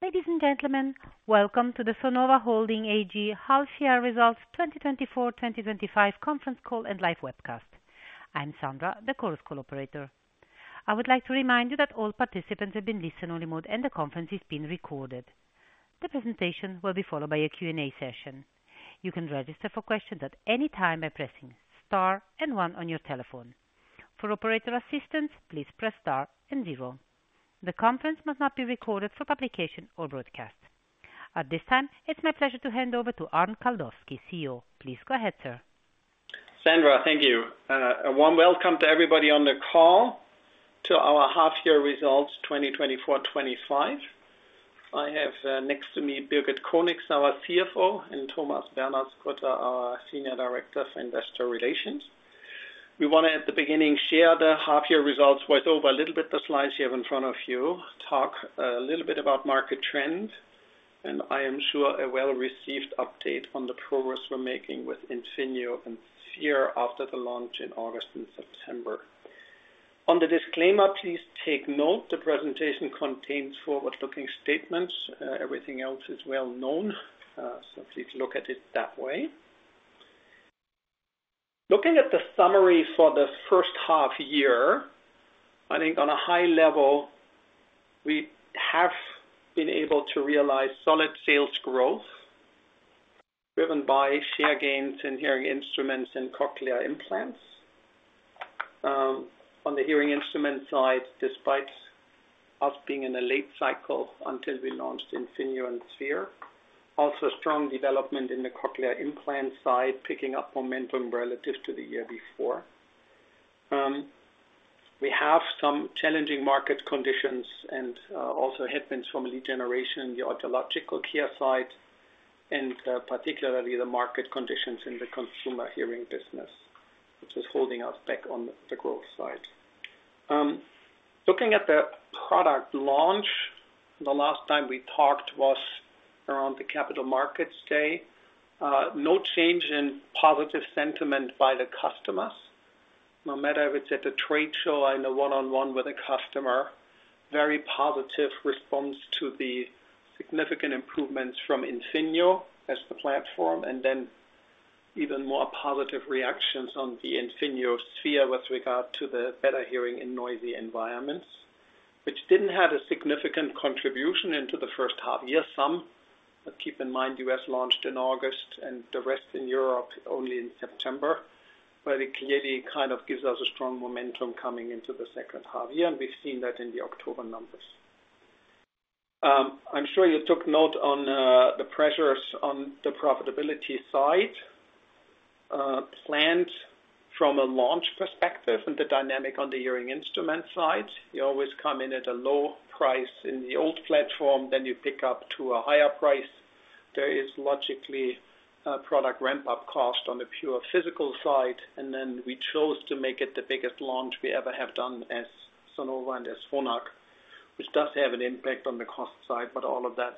Ladies and gentlemen, welcome to the Sonova Holding AG Half Year Results 2024-2025 Conference Call and Live Webcast. I'm Sandra, the call operator. I would like to remind you that all participants have been placed in listen-only mode and the conference is being recorded. The presentation will be followed by a Q&A session. You can register for questions at any time by pressing star and one on your telephone. For operator assistance, please press star and zero. The conference must not be recorded for publication or broadcast. At this time, it's my pleasure to hand over to Arnd Kaldowski, CEO. Please go ahead, sir. Sandra, thank you. A warm welcome to everybody on the call to our half year results 2024-2025. I have next to me Birgit Conix, our CFO, and Thomas Bernhardsgrütter, our Senior Director for Investor Relations. We want to, at the beginning, share the half year results, go over a little bit the slides you have in front of you, talk a little bit about market trends, and I am sure a well-received update on the progress we're making with Infinio and Sphere after the launch in August and September. On the disclaimer, please take note the presentation contains forward-looking statements. Everything else is well known, so please look at it that way. Looking at the summary for the first half year, I think on a high level we have been able to realize solid sales growth driven by share gains in hearing instruments and cochlear implants. On the hearing instrument side, despite us being in a late cycle until we launched Infinio and Sphere, also strong development in the cochlear implant side, picking up momentum relative to the year before. We have some challenging market conditions and also headwinds from lead generation in the Audiological Care side, and particularly the market conditions in the consumer hearing business, which is holding us back on the growth side. Looking at the product launch, the last time we talked was around the Capital Markets Day. No change in positive sentiment by the customers. No matter if it's at the trade show, you know, one-on-one with a customer, very positive response to the significant improvements from Infinio as the platform, and then even more positive reactions on the Infinio Sphere with regard to the better hearing in noisy environments, which didn't have a significant contribution into the first half year. Some, but keep in mind, the U.S. launched in August and the rest in Europe only in September, but it clearly kind of gives us a strong momentum coming into the second half year, and we've seen that in the October numbers. I'm sure you took note on the pressures on the profitability side, planned from a launch perspective and the dynamic on the hearing instrument side. You always come in at a low price in the old platform, then you pick up to a higher price. There is logically a product ramp-up cost on the pure physical side, and then we chose to make it the biggest launch we ever have done as Sonova and as Phonak, which does have an impact on the cost side, but all of that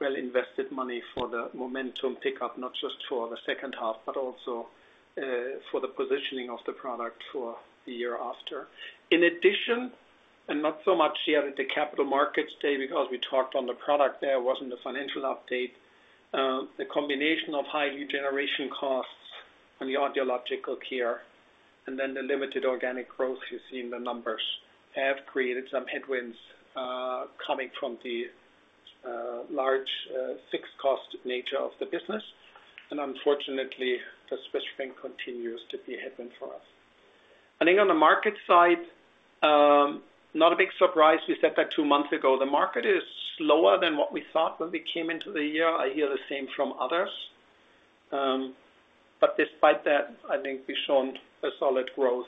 well-invested money for the momentum pickup, not just for the second half, but also for the positioning of the product for the year after. In addition, and not so much here at the Capital Markets Day because we talked on the product there, wasn't the financial update, the combination of high lead generation costs on the Audiological Care and then the limited organic growth you see in the numbers have created some headwinds coming from the large fixed cost nature of the business, and unfortunately, the switching continues to be a headwind for us. I think on the market side, not a big surprise. We said that two months ago. The market is slower than what we thought when we came into the year. I hear the same from others, but despite that, I think we've shown a solid growth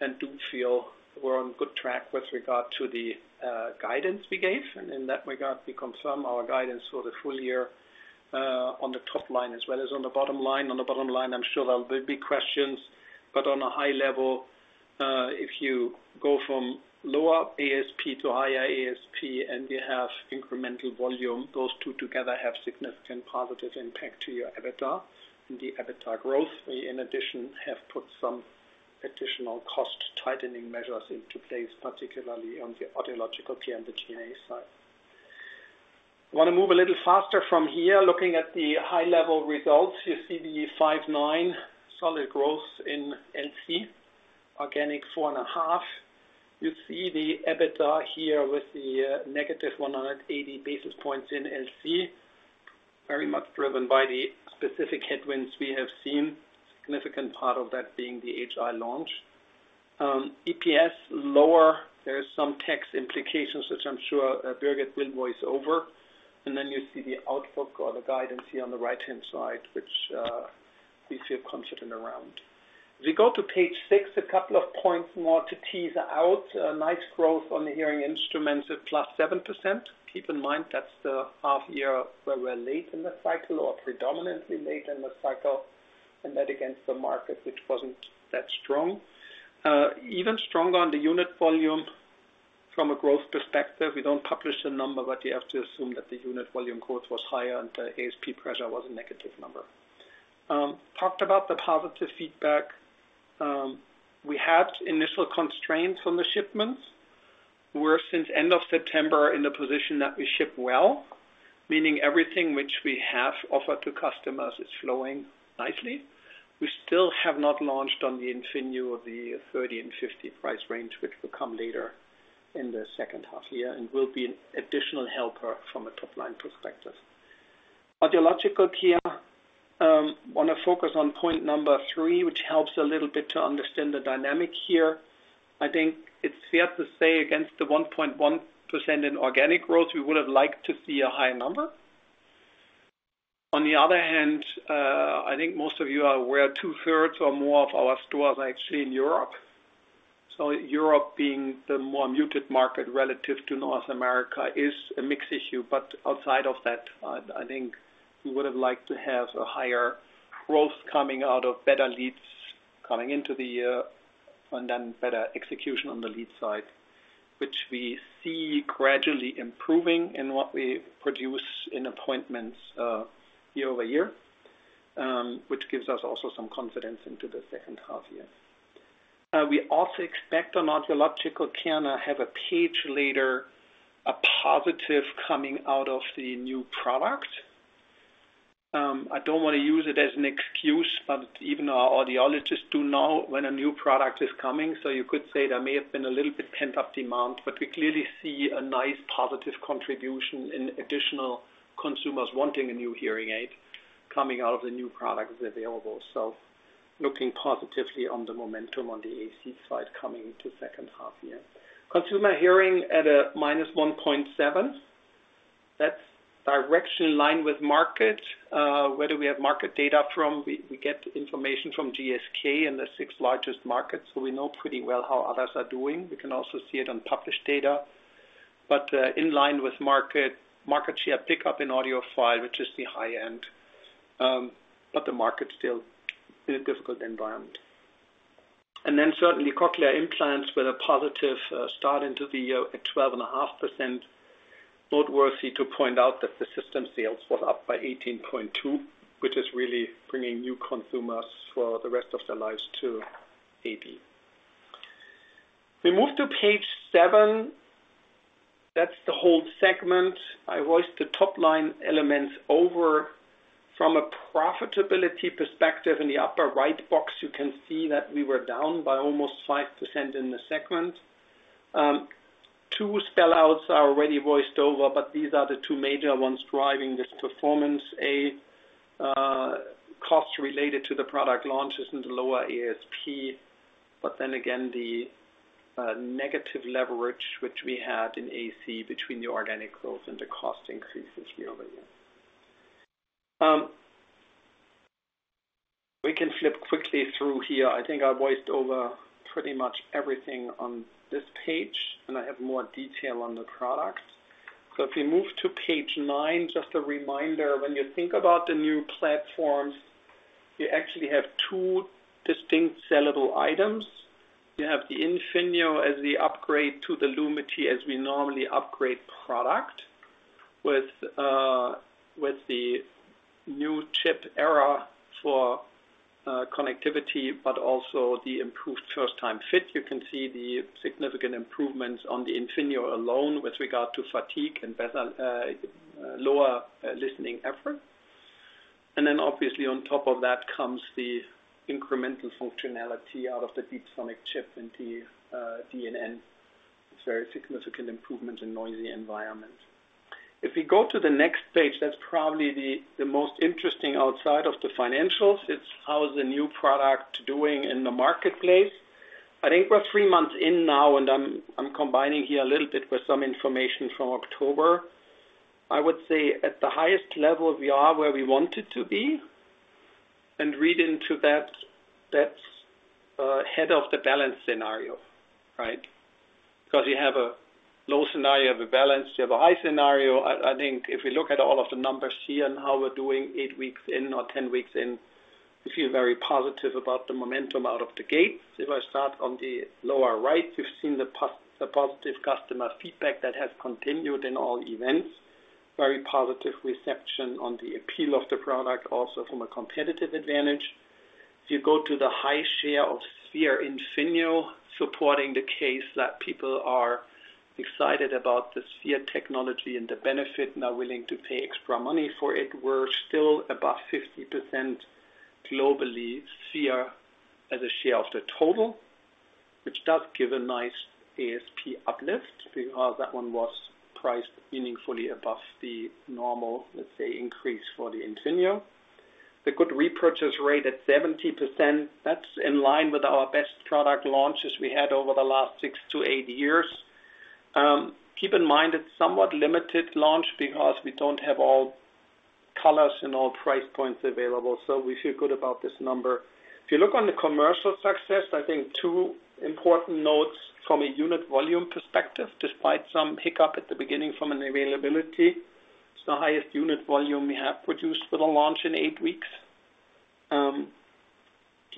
and do feel we're on good track with regard to the guidance we gave, and in that regard, we confirm our guidance for the full year on the top line as well as on the bottom line. On the bottom line, I'm sure there'll be questions, but on a high level, if you go from lower ASP to higher ASP and you have incremental volume, those two together have significant positive impact to your EBITDA and the EBITDA growth. We, in addition, have put some additional cost tightening measures into place, particularly on the Audiological Care and the G&A side. I want to move a little faster from here. Looking at the high-level results, you see the 5.9% solid growth in LC, organic 4.5%. You see the EBITDA here with the negative 180 basis points in LC, very much driven by the specific headwinds we have seen, significant part of that being the HI launch. EPS lower. There are some tax implications, which I'm sure Birgit will voice over, and then you see the output or the guidance here on the right-hand side, which we feel confident around. If we go to page six, a couple of points more to tease out. Nice growth on the hearing instruments at plus 7%. Keep in mind that's the half year where we're late in the cycle or predominantly late in the cycle, and that against the market, which wasn't that strong. Even stronger on the unit volume from a growth perspective. We don't publish a number, but you have to assume that the unit volume growth was higher and the ASP pressure was a negative number. Talked about the positive feedback. We had initial constraints on the shipments. We're since end of September in the position that we ship well, meaning everything which we have offered to customers is flowing nicely. We still have not launched on the Infinio of the 30 and 50 price range, which will come later in the second half year and will be an additional helper from a top line perspective. Audiological Care, I want to focus on point number three, which helps a little bit to understand the dynamic here. I think it's fair to say against the 1.1% in organic growth, we would have liked to see a higher number. On the other hand, I think most of you are aware, two-thirds or more of our stores are actually in Europe. So Europe being the more muted market relative to North America is a mixed issue, but outside of that, I think we would have liked to have a higher growth coming out of better leads coming into the year and then better execution on the lead side, which we see gradually improving in what we produce in appointments year-over-year, which gives us also some confidence into the second half year. We also expect on Audiological Care to have a payback later, a positive coming out of the new product. I don't want to use it as an excuse, but even our audiologists do know when a new product is coming, so you could say there may have been a little bit pent-up demand, but we clearly see a nice positive contribution in additional consumers wanting a new hearing aid coming out of the new product available. So looking positively on the momentum on the AC side coming into second half year. Consumer hearing at a minus 1.7%. That's directionally in line with market. Where do we have market data from? We get information from GfK in the six largest markets, so we know pretty well how others are doing. We can also see it on published data, but in line with market, market share pickup in audiophile, which is the high end, but the market's still in a difficult environment. And then certainly cochlear implants with a positive start into the year at 12.5%. Noteworthy to point out that the system sales was up by 18.2%, which is really bringing new consumers for the rest of their lives to AB. We move to page seven. That's the whole segment. I voiced the top line elements over. From a profitability perspective, in the upper right box, you can see that we were down by almost 5% in the segment. Two spell-outs are already voiced over, but these are the two major ones driving this performance. A cost related to the product launches in the lower ASP, but then again, the negative leverage, which we had in AC between the organic growth and the cost increases year-over-year. We can flip quickly through here. I think I voiced over pretty much everything on this page, and I have more detail on the products. So if we move to page nine, just a reminder, when you think about the new platforms, you actually have two distinct sellable items. You have the Infinio as the upgrade to the Lumity as we normally upgrade product with the new chip era for connectivity, but also the improved first-time fit. You can see the significant improvements on the Infinio alone with regard to fatigue and lower listening effort. And then obviously, on top of that comes the incremental functionality out of the DeepSonic chip and the DNN. It's a very significant improvement in noisy environments. If we go to the next page, that's probably the most interesting outside of the financials. It's how is the new product doing in the marketplace? I think we're three months in now, and I'm combining here a little bit with some information from October. I would say at the highest level, we are where we wanted to be, and read into that, that's ahead of the base case scenario, right? Because you have a low scenario or a base case, you have a high scenario. I think if we look at all of the numbers here and how we're doing eight weeks in or ten weeks in, we feel very positive about the momentum out of the gate. If I start on the lower right, you've seen the positive customer feedback that has continued in all events. Very positive reception on the appeal of the product, also from a competitive advantage. If you go to the high share of Sphere Infinio, supporting the case that people are excited about the Sphere technology and the benefit and are willing to pay extra money for it, we're still above 50% globally Sphere as a share of the total, which does give a nice ASP uplift because that one was priced meaningfully above the normal, let's say, increase for the Infinio. The good repurchase rate at 70%, that's in line with our best product launches we had over the last six to eight years. Keep in mind it's somewhat limited launch because we don't have all colors and all price points available, so we feel good about this number. If you look on the commercial success, I think two important notes from a unit volume perspective. Despite some hiccup at the beginning from an availability, it's the highest unit volume we have produced with a launch in eight weeks.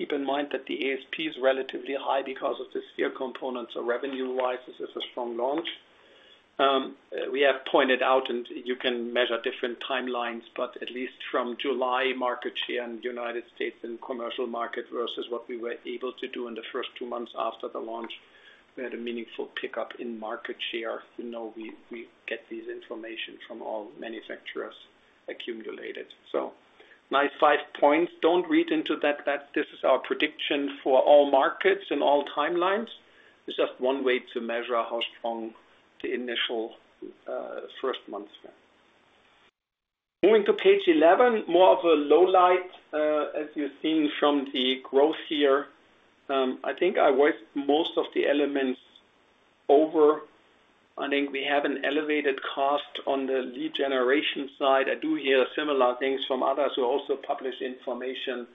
Keep in mind that the ASP is relatively high because of the Sphere components, so revenue-wise, this is a strong launch. We have pointed out, and you can measure different timelines, but at least from July, market share in the United States and commercial market versus what we were able to do in the first two months after the launch, we had a meaningful pickup in market share. We get this information from all manufacturers accumulated. So nice five points. Don't read into that. This is our prediction for all markets and all timelines. It's just one way to measure how strong the initial first months were. Moving to page 11, more of a low light, as you've seen from the growth here. I think I voiced most of the elements over. I think we have an elevated cost on the lead generation side. I do hear similar things from others who also publish information.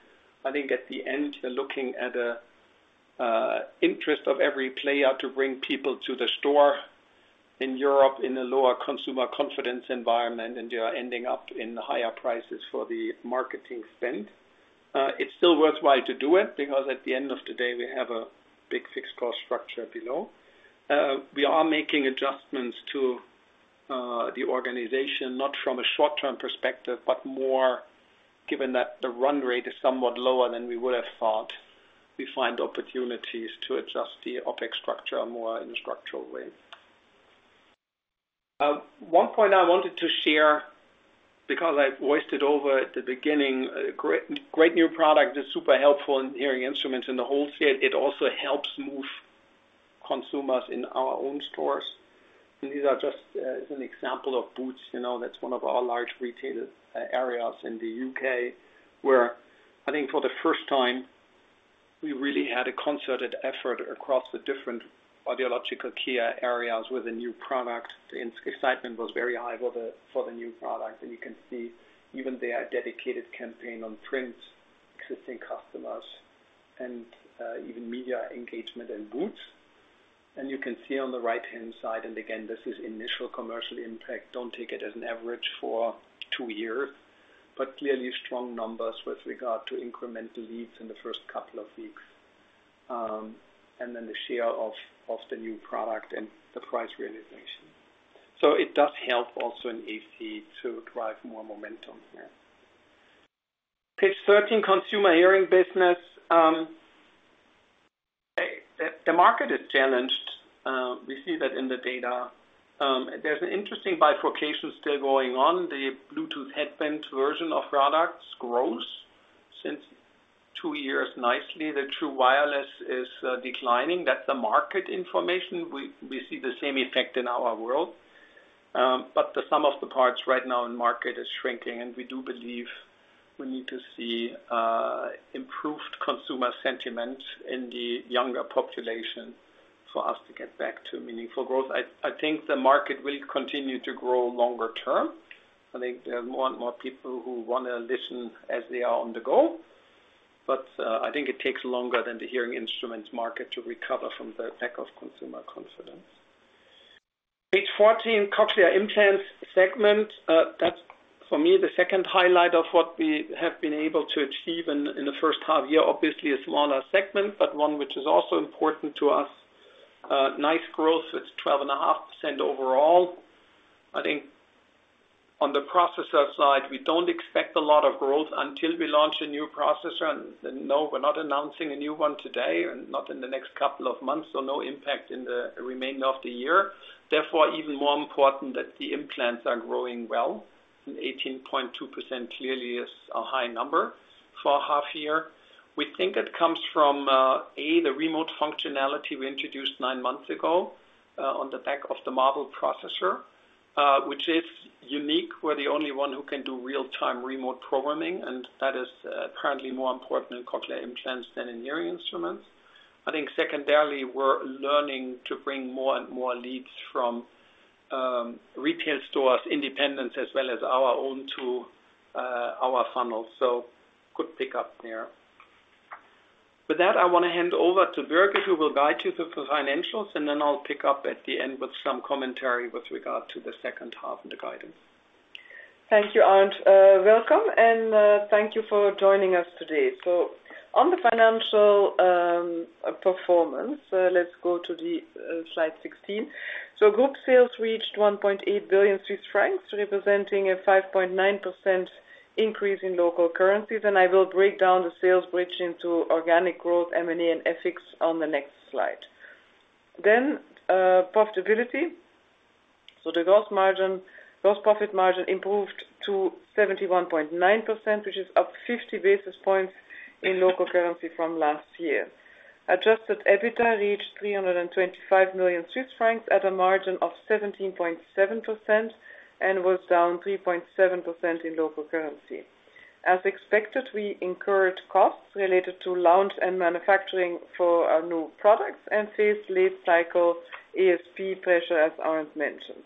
I think at the end, you're looking at the interest of every player to bring people to the store in Europe in a lower consumer confidence environment, and you're ending up in higher prices for the marketing spend. It's still worthwhile to do it because at the end of the day, we have a big fixed cost structure below. We are making adjustments to the organization, not from a short-term perspective, but more given that the run rate is somewhat lower than we would have thought, we find opportunities to adjust the OPEX structure more in a structural way. One point I wanted to share because I voiced it over at the beginning: great new product. It's super helpful in hearing instruments in the whole space. It also helps move consumers in our own stores, and these are just an example of Boots. That's one of our large retail areas in the U.K., where I think for the first time, we really had a concerted effort across the different Audiological Care areas with a new product. The excitement was very high for the new product, and you can see even their dedicated campaign on print, existing customers, and even media engagement in Boots, and you can see on the right-hand side, and again, this is initial commercial impact. Don't take it as an average for two years, but clearly strong numbers with regard to incremental leads in the first couple of weeks, and then the share of the new product and the price realization. So it does help also in AC to drive more momentum here. Page 13, consumer hearing business. The market is challenged. We see that in the data. There's an interesting bifurcation still going on. The Bluetooth headband version of products grows since two years nicely. The true wireless is declining. That's the market information. We see the same effect in our world, but the sum of the parts right now in market is shrinking, and we do believe we need to see improved consumer sentiment in the younger population for us to get back to meaningful growth. I think the market will continue to grow longer term. I think there are more and more people who want to listen as they are on the go, but I think it takes longer than the hearing instruments market to recover from the lack of consumer confidence. Page 14, Cochlear Implants segment. That's, for me, the second highlight of what we have been able to achieve in the first half year. Obviously, a smaller segment, but one which is also important to us. Nice growth at 12.5% overall. I think on the processor side, we don't expect a lot of growth until we launch a new processor. And no, we're not announcing a new one today and not in the next couple of months, so no impact in the remainder of the year. Therefore, even more important that the implants are growing well, and 18.2% clearly is a high number for a half year. We think it comes from, A, the remote functionality we introduced nine months ago on the back of the Marvel processor, which is unique. We're the only one who can do real-time remote programming, and that is apparently more important in cochlear implants than in hearing instruments. I think secondarily, we're learning to bring more and more leads from retail stores, independents as well as our own to our funnel. So good pickup there. With that, I want to hand over to Birgit, who will guide you through the financials, and then I'll pick up at the end with some commentary with regard to the second half and the guidance. Thank you, Arnd. Welcome, and thank you for joining us today. So on the financial performance, let's go to slide 16. Group sales reached 1.8 billion Swiss francs, representing a 5.9% increase in local currencies, and I will break down the sales bridge into organic growth, M&A, and FX on the next slide. Then profitability. The gross profit margin improved to 71.9%, which is up 50 basis points in local currency from last year. Adjusted EBITDA reached 325 million Swiss francs at a margin of 17.7% and was down 3.7% in local currency. As expected, we incurred costs related to launch and manufacturing for our new products and faced late-cycle ASP pressure, as Arnd mentioned.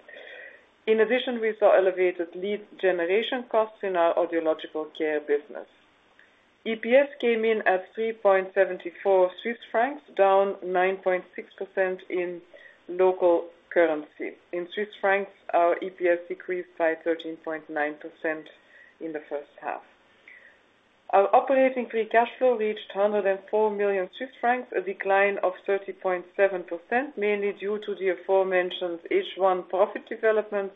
In addition, we saw elevated lead generation costs in our Audiological Care business. EPS came in at 3.74 Swiss francs, down 9.6% in local currency. In Swiss francs, our EPS decreased by 13.9% in the first half. Our operating free cash flow reached 104 million Swiss francs, a decline of 30.7%, mainly due to the aforementioned H1 profit development,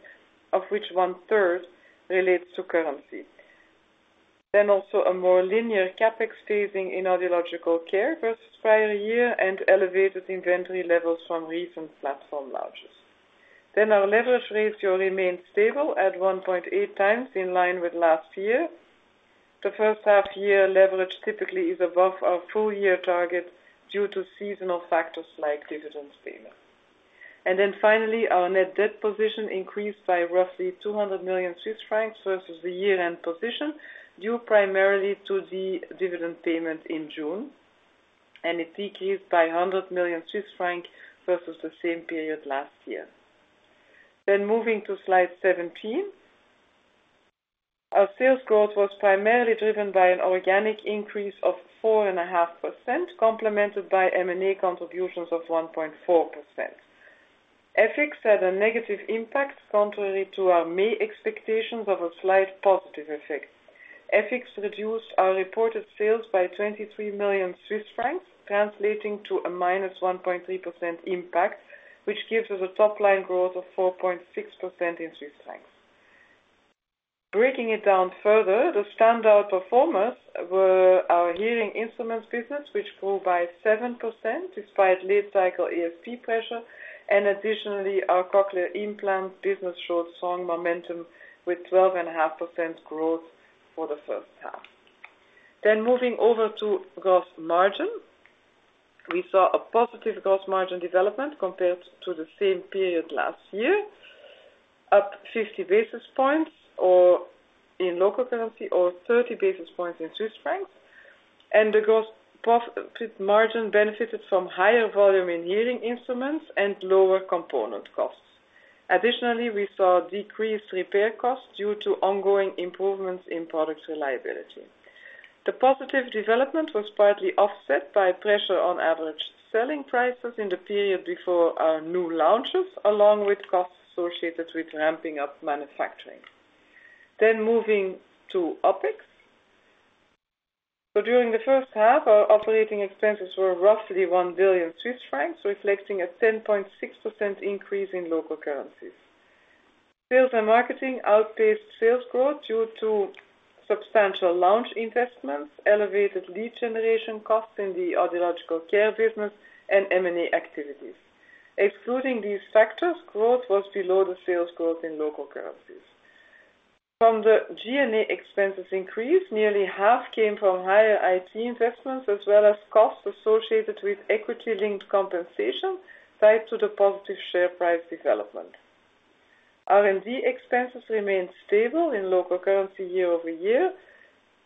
of which one-third relates to currency, then also a more linear CAPEX phasing in Audiological Care versus prior year and elevated inventory levels from recent platform launches. Our leverage ratio remained stable at 1.8 times, in line with last year. The first half year leverage typically is above our full-year target due to seasonal factors like dividend payment, and then finally, our net debt position increased by roughly 200 million Swiss francs versus the year-end position due primarily to the dividend payment in June, and it decreased by 100 million Swiss francs versus the same period last year. Moving to slide 17, our sales growth was primarily driven by an organic increase of 4.5%, complemented by M&A contributions of 1.4%. FX had a negative impact, contrary to our May expectations of a slight positive effect. FX reduced our reported sales by 23 million Swiss francs, translating to a minus 1.3% impact, which gives us a top-line growth of 4.6% in Swiss francs. Breaking it down further, the standout performers were our hearing instruments business, which grew by 7% despite late-cycle ASP pressure, and additionally, our cochlear implant business showed strong momentum with 12.5% growth for the first half. Then moving over to gross margin, we saw a positive gross margin development compared to the same period last year, up 50 basis points in local currency or 30 basis points in Swiss francs, and the gross profit margin benefited from higher volume in hearing instruments and lower component costs. Additionally, we saw decreased repair costs due to ongoing improvements in product reliability. The positive development was partly offset by pressure on average selling prices in the period before our new launches, along with costs associated with ramping up manufacturing. Moving to OPEX. During the first half, our operating expenses were roughly 1 billion Swiss francs, reflecting a 10.6% increase in local currencies. Sales and marketing outpaced sales growth due to substantial launch investments, elevated lead generation costs in the Audiological Care business, and M&A activities. Excluding these factors, growth was below the sales growth in local currencies. From the G&A expenses increase, nearly half came from higher IT investments as well as costs associated with equity-linked compensation tied to the positive share price development. R&D expenses remained stable in local currency year-over-year,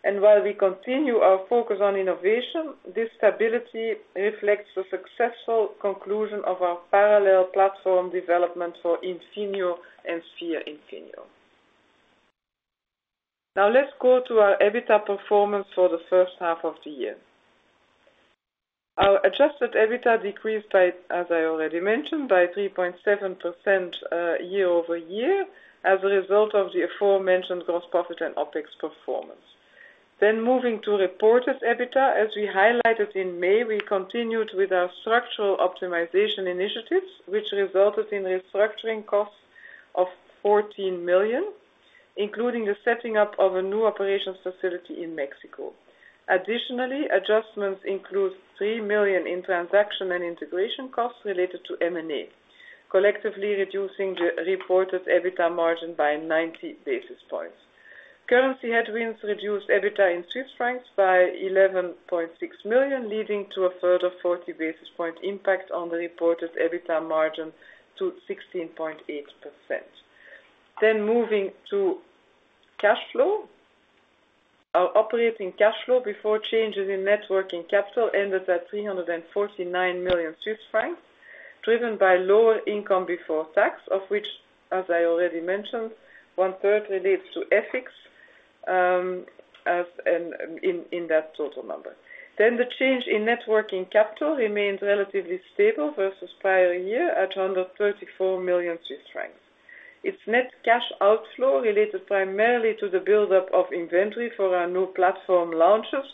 and while we continue our focus on innovation, this stability reflects the successful conclusion of our parallel platform development for Infinio and Sphere Infinio. Now let's go to our EBITDA performance for the first half of the year. Our adjusted EBITDA decreased, as I already mentioned, by 3.7% year-over-year as a result of the aforementioned gross profit and OPEX performance. Then moving to reported EBITDA, as we highlighted in May, we continued with our structural optimization initiatives, which resulted in restructuring costs of 14 million, including the setting up of a new operations facility in Mexico. Additionally, adjustments include 3 million in transaction and integration costs related to M&A, collectively reducing the reported EBITDA margin by 90 basis points. Currency headwinds reduced EBITDA in Swiss francs by 11.6 million, leading to a further 40 basis point impact on the reported EBITDA margin to 16.8%. Then moving to cash flow. Our operating cash flow before changes in net working capital ended at 349 million Swiss francs, driven by lower income before tax, of which, as I already mentioned, one-third relates to FX in that total number. Then the change in net working capital remains relatively stable versus prior year at 134 million Swiss francs. Its net cash outflow related primarily to the buildup of inventory for our new platform launches,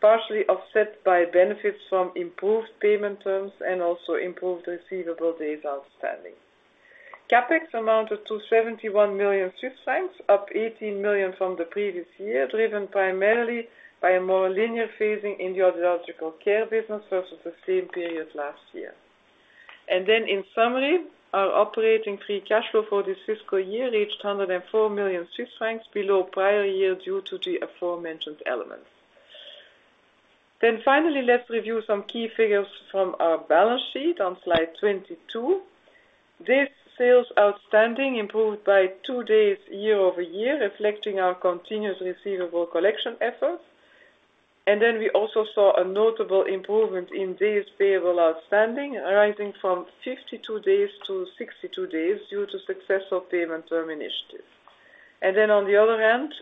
partially offset by benefits from improved payment terms and also improved receivable days outstanding. CAPEX amounted to 71 million Swiss francs, up 18 million from the previous year, driven primarily by a more linear phasing in the Audiological Care business versus the same period last year. And then in summary, our operating free cash flow for this fiscal year reached 104 million Swiss francs below prior year due to the aforementioned elements. Finally, let's review some key figures from our balance sheet on slide 22. Days sales outstanding improved by two days year-over-year, reflecting our continuous receivable collection efforts. We also saw a notable improvement in days payable outstanding, rising from 52 days to 62 days due to successful payment term initiative. On the other hand,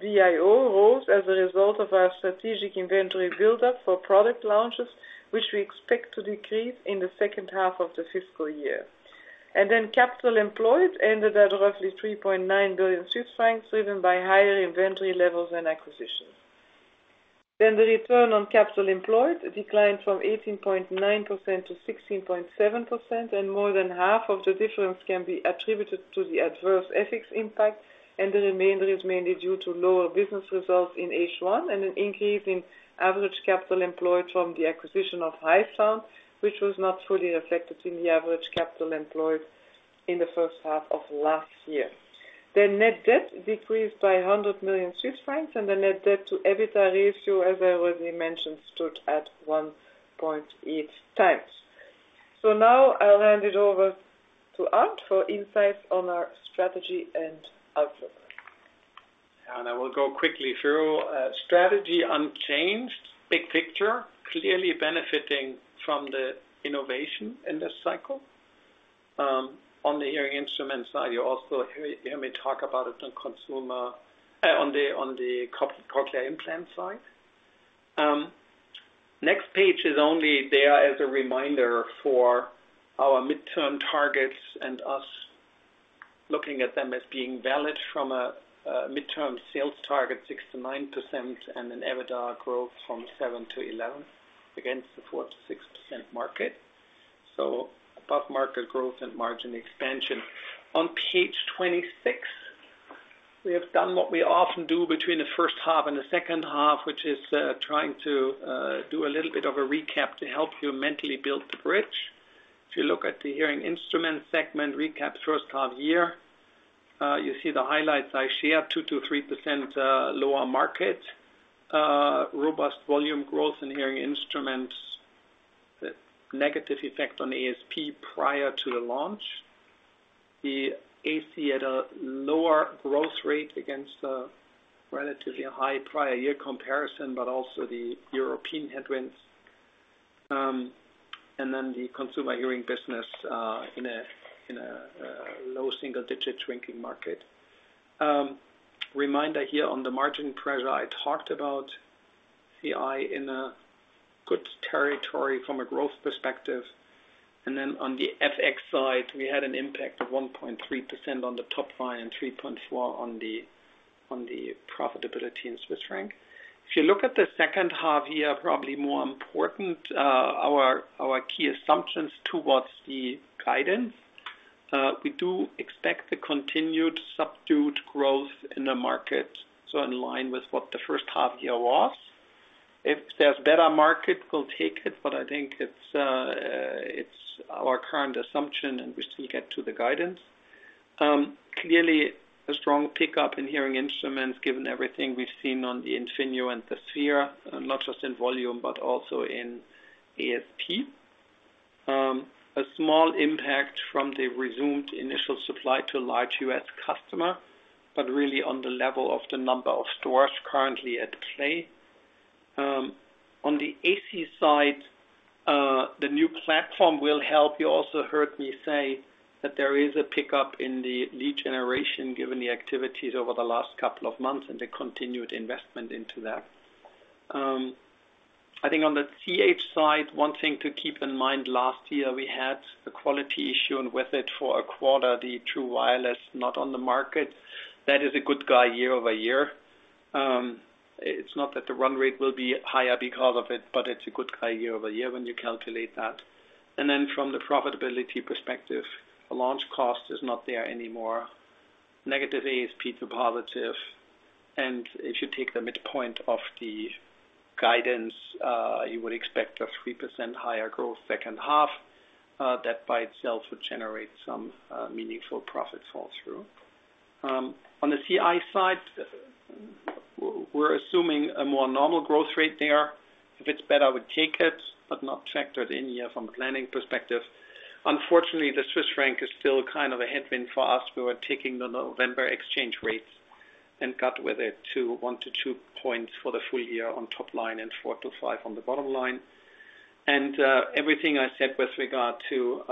DIO rose as a result of our strategic inventory buildup for product launches, which we expect to decrease in the second half of the fiscal year. Capital employed ended at roughly 3.9 billion Swiss francs, driven by higher inventory levels and acquisitions. Then the return on capital employed declined from 18.9% to 16.7%, and more than half of the difference can be attributed to the adverse FX impact, and the remainder is mainly due to lower business results in H1 and an increase in average capital employed from the acquisition of HYSOUND, which was not fully reflected in the average capital employed in the first half of last year. Then net debt decreased by 100 million Swiss francs, and the net debt/EBITDA ratio, as I already mentioned, stood at 1.8 times. So now I'll hand it over to Arnd for insights on our strategy and outlook. And I will go quickly through. Strategy unchanged, big picture, clearly benefiting from the innovation in this cycle. On the hearing instrument side, you also hear me talk about it on the cochlear implant side. Next page is only there as a reminder for our midterm targets and us looking at them as being valid from a midterm sales target 6%-9% and an EBITDA growth from 7% to 11% against the 4%-6% market. So above market growth and margin expansion. On page 26, we have done what we often do between the first half and the second half, which is trying to do a little bit of a recap to help you mentally build the bridge. If you look at the hearing instrument segment recap first half year, you see the highlights I shared: 2%-3% lower market, robust volume growth in hearing instruments, negative effect on ASP prior to the launch, the AC at a lower growth rate against a relatively high prior year comparison, but also the European headwinds, and then the consumer hearing business in a low single-digit shrinking market. Reminder here on the margin pressure I talked about, CI in a good territory from a growth perspective. And then on the FX side, we had an impact of 1.3% on the top line and 3.4% on the profitability in CHF. If you look at the second half year, probably more important, our key assumptions towards the guidance. We do expect the continued subdued growth in the market, so in line with what the first half year was. If there's better market, we'll take it, but I think it's our current assumption and we still get to the guidance. Clearly, a strong pickup in hearing instruments given everything we've seen on the Infinio and the Sphere, not just in volume, but also in ASP. A small impact from the resumed initial supply to large U.S. customers, but really on the level of the number of stores currently at play. On the AC side, the new platform will help. You also heard me say that there is a pickup in the lead generation given the activities over the last couple of months and the continued investment into that. I think on the CH side, one thing to keep in mind, last year we had a quality issue and with it for a quarter, the True Wireless not on the market. That is a good tailwind year-over-year. It's not that the run rate will be higher because of it, but it's a good guide year-over-year when you calculate that. And then from the profitability perspective, launch cost is not there anymore, negative ASP to positive. And if you take the midpoint of the guidance, you would expect a 3% higher growth second half. That by itself would generate some meaningful profit flow-through. On the CI side, we're assuming a more normal growth rate there. If it's better, we take it, but not factored in here from a planning perspective. Unfortunately, the Swiss franc is still kind of a headwind for us. We were taking the November exchange rates and got hit with it to 1-2 points for the full year on top line and 4-5 on the bottom line. Everything I said with regard to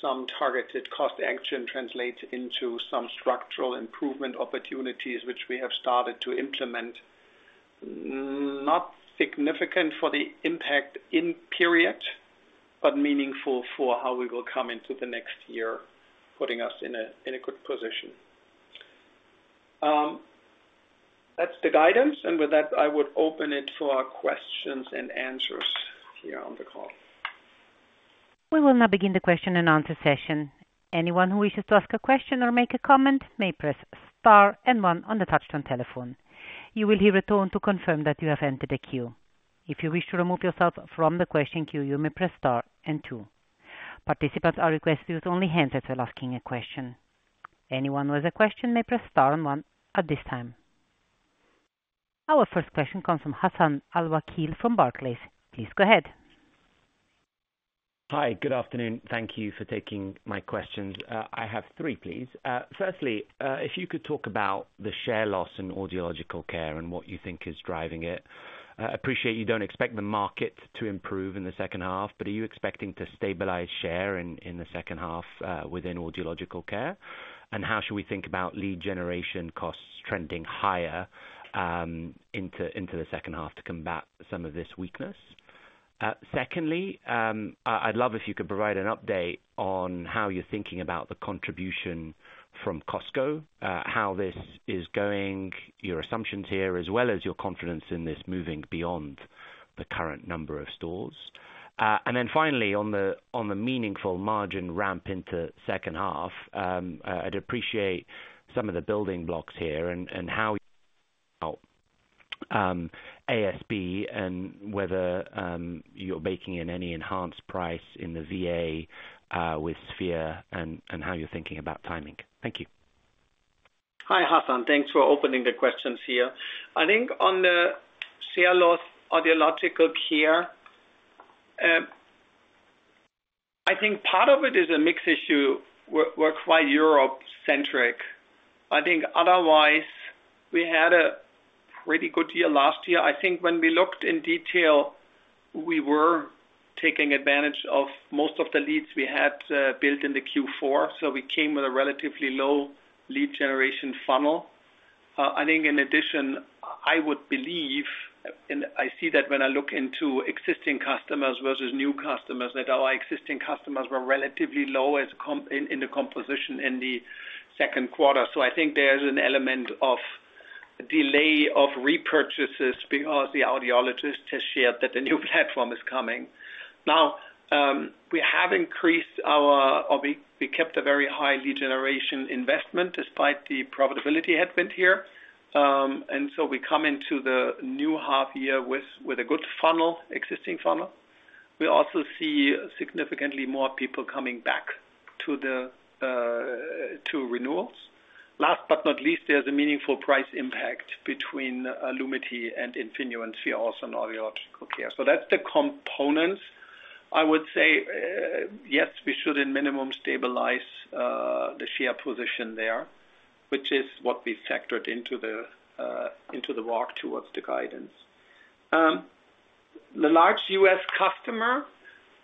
some targeted cost action translates into some structural improvement opportunities, which we have started to implement. Not significant for the impact in period, but meaningful for how we will come into the next year, putting us in a good position. That's the guidance, and with that, I would open it for questions and answers here on the call. We will now begin the question and answer session. Anyone who wishes to ask a question or make a comment may press star and one on the touch-tone telephone. You will hear a tone to confirm that you have entered a queue. If you wish to remove yourself from the question queue, you may press star and two. Participants are requested to use only handsets if they're asking a question. Anyone with a question may press star and one at this time. Our first question comes from Hassan Al-Wakeel from Barclays. Please go ahead. Hi, good afternoon. Thank you for taking my questions. I have three, please. Firstly, if you could talk about the share loss in Audiological Care and what you think is driving it. I appreciate you don't expect the market to improve in the second half, but are you expecting to stabilize share in the second half within Audiological Care? And how should we think about lead generation costs trending higher into the second half to combat some of this weakness? Secondly, I'd love if you could provide an update on how you're thinking about the contribution from Costco, how this is going, your assumptions here, as well as your confidence in this moving beyond the current number of stores. Then finally, on the meaningful margin ramp into second half, I'd appreciate some of the building blocks here and how you think about ASP and whether you're baking in any enhanced price in the VA with Sphere and how you're thinking about timing. Thank you. Hi, Hassan. Thanks for opening the questions here. I think on the share loss Audiological Care, I think part of it is a mixed issue. We're quite Europe-centric. I think otherwise we had a pretty good year last year. I think when we looked in detail, we were taking advantage of most of the leads we had built in the Q4, so we came with a relatively low lead generation funnel. I think in addition, I would believe, and I see that when I look into existing customers versus new customers, that our existing customers were relatively low in the composition in the Q2. So I think there's an element of delay of repurchases because the audiologist has shared that a new platform is coming. Now, we have increased our or we kept a very high lead generation investment despite the profitability headwind here. And so we come into the new half year with a good funnel, existing funnel. We also see significantly more people coming back to renewals. Last but not least, there's a meaningful price impact between Lumity and Infinio and Sphere also in Audiological Care. So that's the components. I would say, yes, we should in minimum stabilize the share position there, which is what we factored into the walk towards the guidance. The large U.S. customer,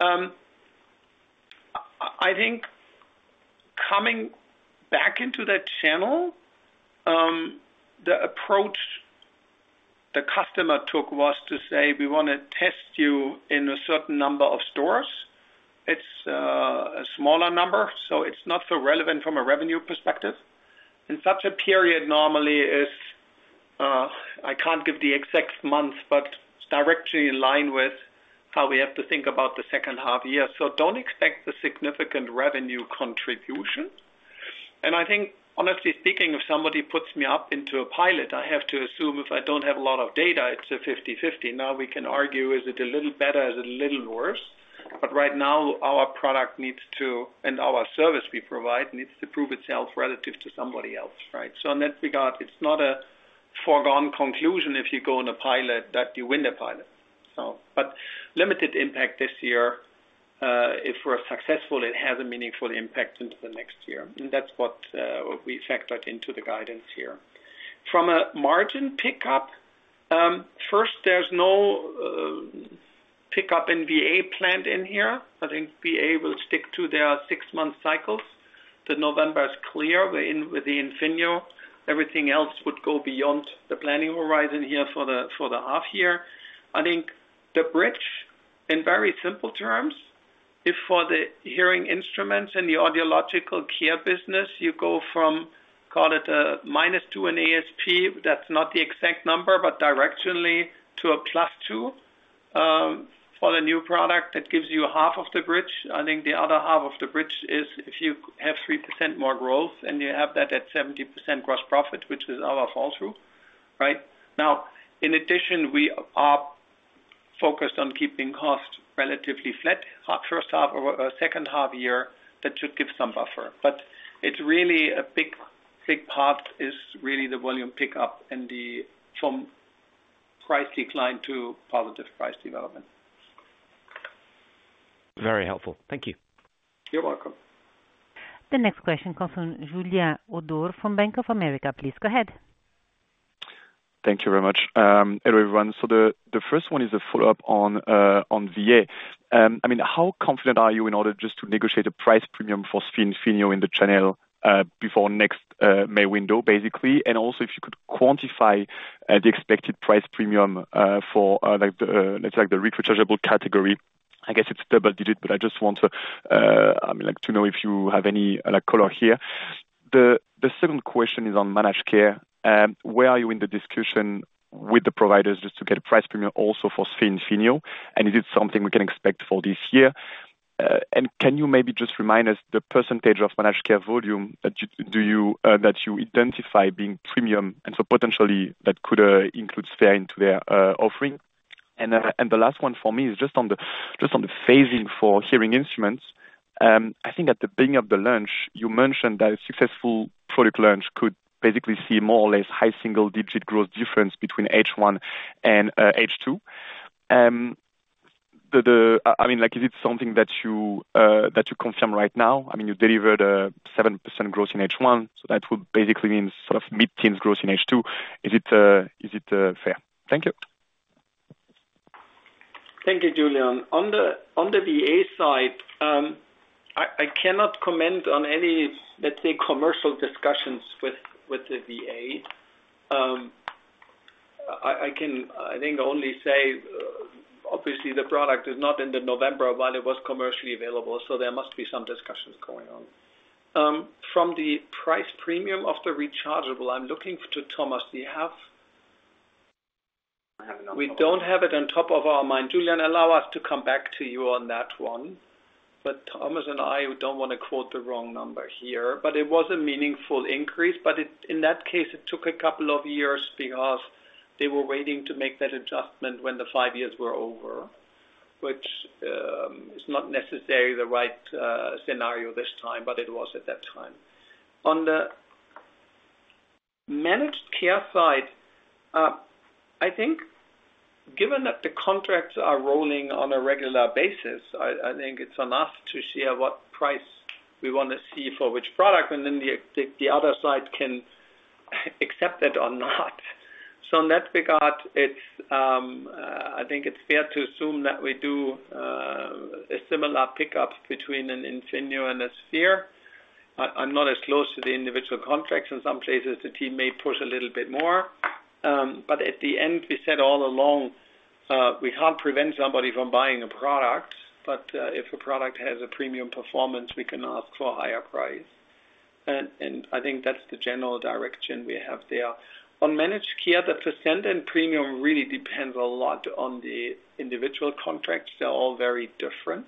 I think coming back into that channel, the approach the customer took was to say, "We want to test you in a certain number of stores." It's a smaller number, so it's not so relevant from a revenue perspective. In such a period normally is, I can't give the exact month, but it's directly in line with how we have to think about the second half year. So don't expect the significant revenue contribution. And I think, honestly speaking, if somebody puts me up into a pilot, I have to assume if I don't have a lot of data, it's a 50/50. Now we can argue, is it a little better, is it a little worse? But right now, our product needs to, and our service we provide needs to prove itself relative to somebody else, right? So, in that regard, it's not a foregone conclusion if you go on a pilot that you win the pilot. But limited impact this year. If we're successful, it has a meaningful impact into the next year. And that's what we factored into the guidance here. From a margin pickup, first, there's no pickup in VA planned in here. I think VA will stick to their six-month cycles. The November is clear. We're in with the Infinio. Everything else would go beyond the planning horizon here for the half year. I think the bridge, in very simple terms, if for the hearing instruments and the Audiological Care business, you go from, call it a minus two in ASP, that's not the exact number, but directionally to a plus two for the new product that gives you half of the bridge. I think the other half of the bridge is if you have 3% more growth and you have that at 70% gross profit, which is our flow-through, right? Now, in addition, we are focused on keeping costs relatively flat first half or second half year. That should give some buffer. But it's really a big part is really the volume pickup and the from price decline to positive price development. Very helpful. Thank you. You're welcome. The next question comes from Julien Ouaddour from Bank of America. Please go ahead. Thank you very much. Hello everyone. So the first one is a follow-up on VA. I mean, how confident are you in order just to negotiate a price premium for Infinio in the channel before next May window, basically? And also, if you could quantify the expected price premium for, let's say, the retro rechargeable category. I guess it's double-digit, but I just want to, I mean, like to know if you have any color here. The second question is on Managed Care. Where are you in the discussion with the providers just to get a price premium also for Sphere and Infinio? And is it something we can expect for this year? And can you maybe just remind us the percentage of Managed Care volume that you identify being premium? And so potentially that could include Sphere into their offering. And the last one for me is just on the phasing for hearing instruments. I think at the beginning of the launch, you mentioned that a successful product launch could basically see more or less high single-digit growth difference between H1 and H2. I mean, is it something that you confirm right now? I mean, you delivered a 7% growth in H1, so that would basically mean sort of mid-teens growth in H2. Is it fair? Thank you. Thank you, Julien. On the VA side, I cannot comment on any, let's say, commercial discussions with the VA. I think I only say, obviously, the product is not in the November while it was commercially available, so there must be some discussions going on. From the price premium of the rechargeable, I'm looking to Thomas. Do you have? We don't have it on top of our mind. Julien, allow us to come back to you on that one. But Thomas and I don't want to quote the wrong number here. But it was a meaningful increase, but in that case, it took a couple of years because they were waiting to make that adjustment when the five years were over, which is not necessarily the right scenario this time, but it was at that time. On the Managed Care side, I think given that the contracts are rolling on a regular basis, I think it's enough to share what price we want to see for which product, and then the other side can accept that or not. So in that regard, I think it's fair to assume that we do a similar pickup between an Infinio and Sphere. I'm not as close to the individual contracts. In some cases, the team may push a little bit more. But at the end, we said all along, we can't prevent somebody from buying a product, but if a product has a premium performance, we can ask for a higher price. And I think that's the general direction we have there. On Managed Care, the percent and premium really depends a lot on the individual contracts. They're all very different.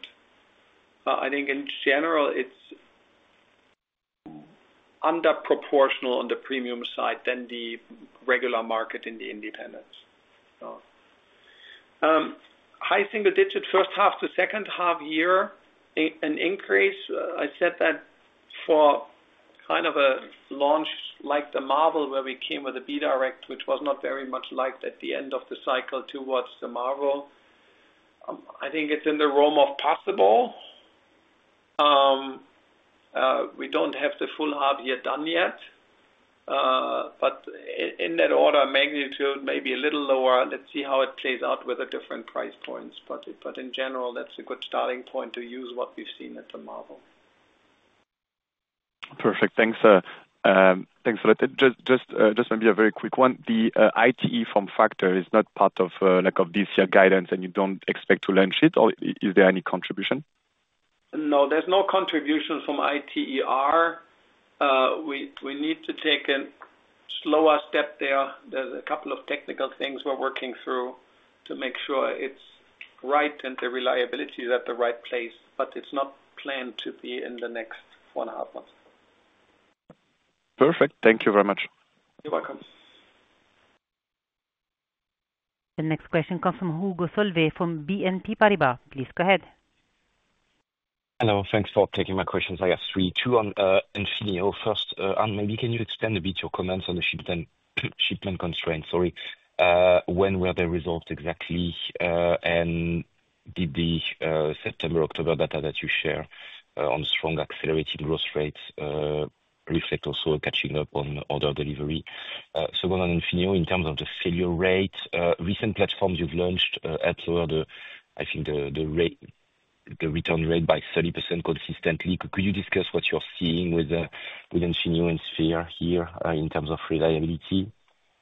I think in general, it's underproportional on the premium side than the regular market in the independents. High single-digit first half to second half year, an increase. I said that for kind of a launch like the Marvel, where we came with a B-Direct, which was not very much liked at the end of the cycle towards the Marvel. I think it's in the realm of possible. We don't have the full half year done yet. But in that order, magnitude may be a little lower. Let's see how it plays out with the different price points. But in general, that's a good starting point to use what we've seen at the Marvel. Perfect. Thanks. Just maybe a very quick one. The ITE form factor is not part of this year's guidance, and you don't expect to launch it, or is there any contribution? No, there's no contribution from ITE are we need to take a slower step there. There's a couple of technical things we're working through to make sure it's right and the reliability is at the right place, but it's not planned to be in the next four and a half months. Perfect. Thank you very much. You're welcome. The next question comes from Hugo Solvet from BNP Paribas. Please go ahead. Hello. Thanks for taking my questions. I have three, two on Infinio. First, maybe can you extend a bit your comments on the shipment constraints? Sorry. When were they resolved exactly? And did the September, October data that you share on strong accelerating growth rates reflect also a catching up on order delivery? So going on Infinio, in terms of the failure rate, recent platforms you've launched at lower, I think the return rate by 30% consistently. Could you discuss what you're seeing with Infinio and Sphere here in terms of reliability?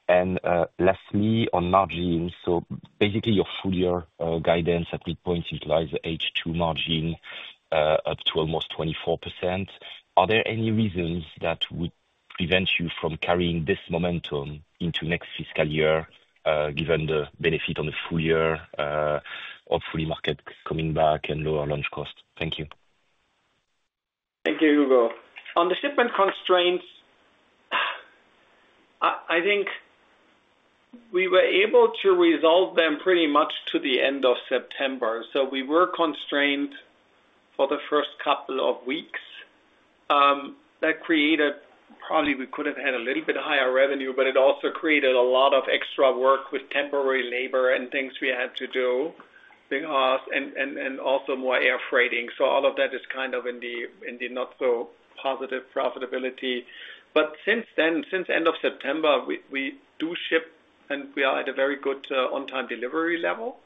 And lastly, on margin, so basically your full year guidance at midpoint implies the H2 margin up to almost 24%. Are there any reasons that would prevent you from carrying this momentum into next fiscal year given the benefit on the full year of fully market coming back and lower launch cost? Thank you. Thank you, Hugo. On the shipment constraints, I think we were able to resolve them pretty much to the end of September. So we were constrained for the first couple of weeks. That created probably we could have had a little bit higher revenue, but it also created a lot of extra work with temporary labor and things we had to do because and also more air freighting. So all of that is kind of in the not-so-positive profitability. But since then, since end of September, we do ship, and we are at a very good on-time delivery level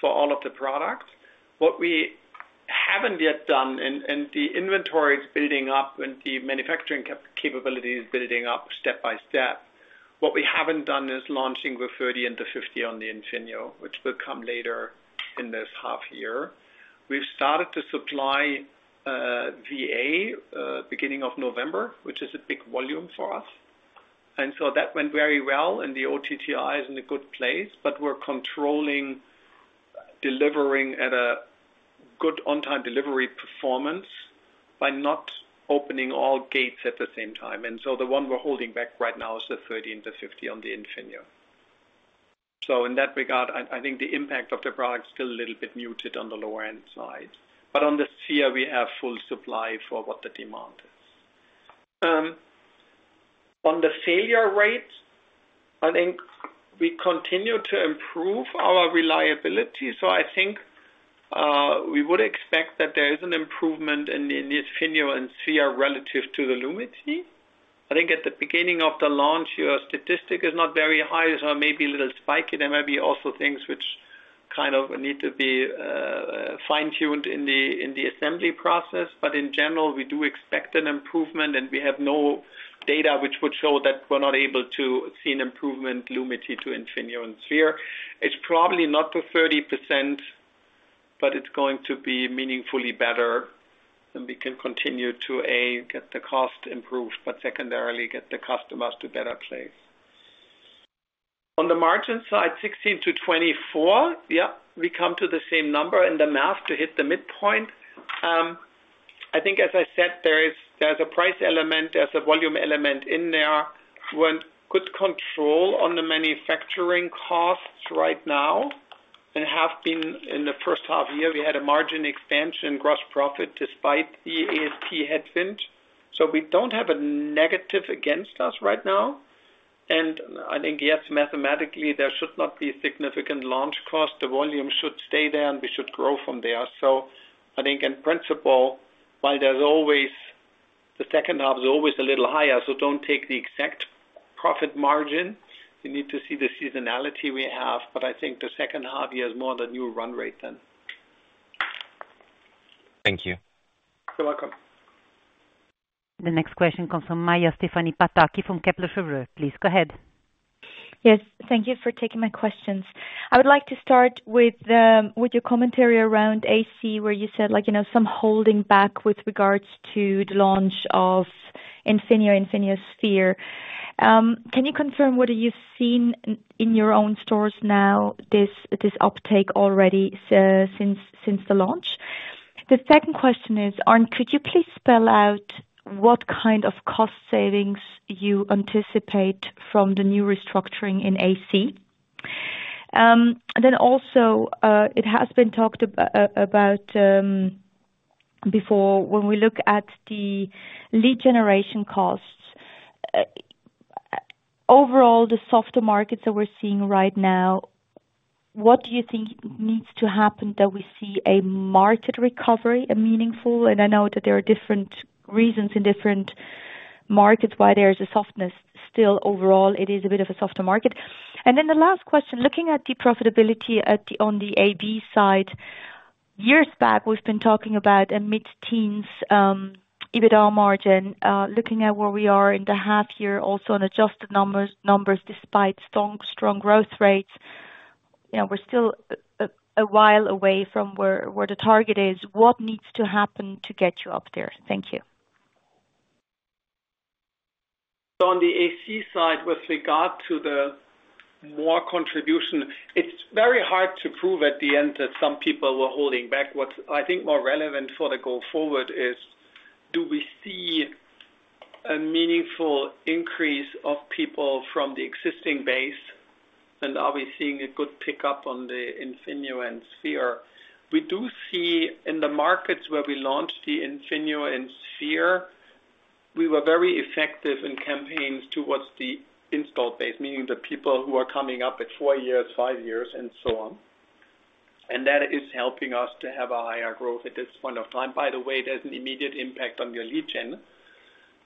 for all of the products. What we haven't yet done, and the inventory is building up and the manufacturing capability is building up step by step. What we haven't done is launching with 30 and the 50 on the Infinio, which will come later in this half year. We've started to supply VA beginning of November, which is a big volume for us, and so that went very well, and the OTIF is in a good place, but we're controlling delivering at a good on-time delivery performance by not opening all gates at the same time, and so the one we're holding back right now is the 30 and the 50 on the Infinio, so in that regard, I think the impact of the product is still a little bit muted on the lower end side, but on the Sphere, we have full supply for what the demand is. On the failure rate, I think we continue to improve our reliability, so I think we would expect that there is an improvement in the Infinio and Sphere relative to the Lumity. I think at the beginning of the launch, your statistic is not very high, so maybe a little spiky. There may be also things which kind of need to be fine-tuned in the assembly process. But in general, we do expect an improvement, and we have no data which would show that we're not able to see an improvement Lumity to Infinio and Sphere. It's probably not to 30%, but it's going to be meaningfully better, and we can continue to, A, get the cost improved, but secondarily, get the customers to a better place. On the margin side, 16%-24%, yeah, we come to the same number in the math to hit the midpoint. I think, as I said, there's a price element. There's a volume element in there. We're in good control on the manufacturing costs right now and have been in the first half year. We had a margin expansion in gross profit despite the ASP headwind. So we don't have a negative against us right now. And I think, yes, mathematically, there should not be significant launch cost. The volume should stay there, and we should grow from there. So I think, in principle, while there's always the second half is always a little higher, so don't take the exact profit margin. You need to see the seasonality we have, but I think the second half year is more the new run rate then. Thank you. You're welcome. The next question comes from Maja Stephanie Pataki from Kepler Cheuvreux. Please go ahead. Yes. Thank you for taking my questions. I would like to start with your commentary around AC, where you said some holding back with regards to the launch of Infinio and Infinio Sphere. Can you confirm what you've seen in your own stores now, this uptake already since the launch? The second question is, Arnd, could you please spell out what kind of cost savings you anticipate from the new restructuring in AC? And then also, it has been talked about before when we look at the lead generation costs. Overall, the soft markets that we're seeing right now, what do you think needs to happen that we see a market recovery, a meaningful? And I know that there are different reasons in different markets why there's a softness. Still, overall, it is a bit of a softer market. And then the last question, looking at the profitability on the AB side, years back, we've been talking about a mid-teens EBITDA margin, looking at where we are in the half year, also on adjusted numbers despite strong growth rates. We're still a while away from where the target is. What needs to happen to get you up there? Thank you. So on the AC side, with regard to the margin contribution, it's very hard to prove at the end that some people were holding back. What I think more relevant for the going forward is, do we see a meaningful increase of people from the existing base? And are we seeing a good pickup on the Infinio and Sphere? We do see in the markets where we launched the Infinio and Sphere, we were very effective in campaigns towards the installed base, meaning the people who are coming up at four years, five years, and so on. And that is helping us to have a higher growth at this point of time. By the way, there's an immediate impact on the lead gen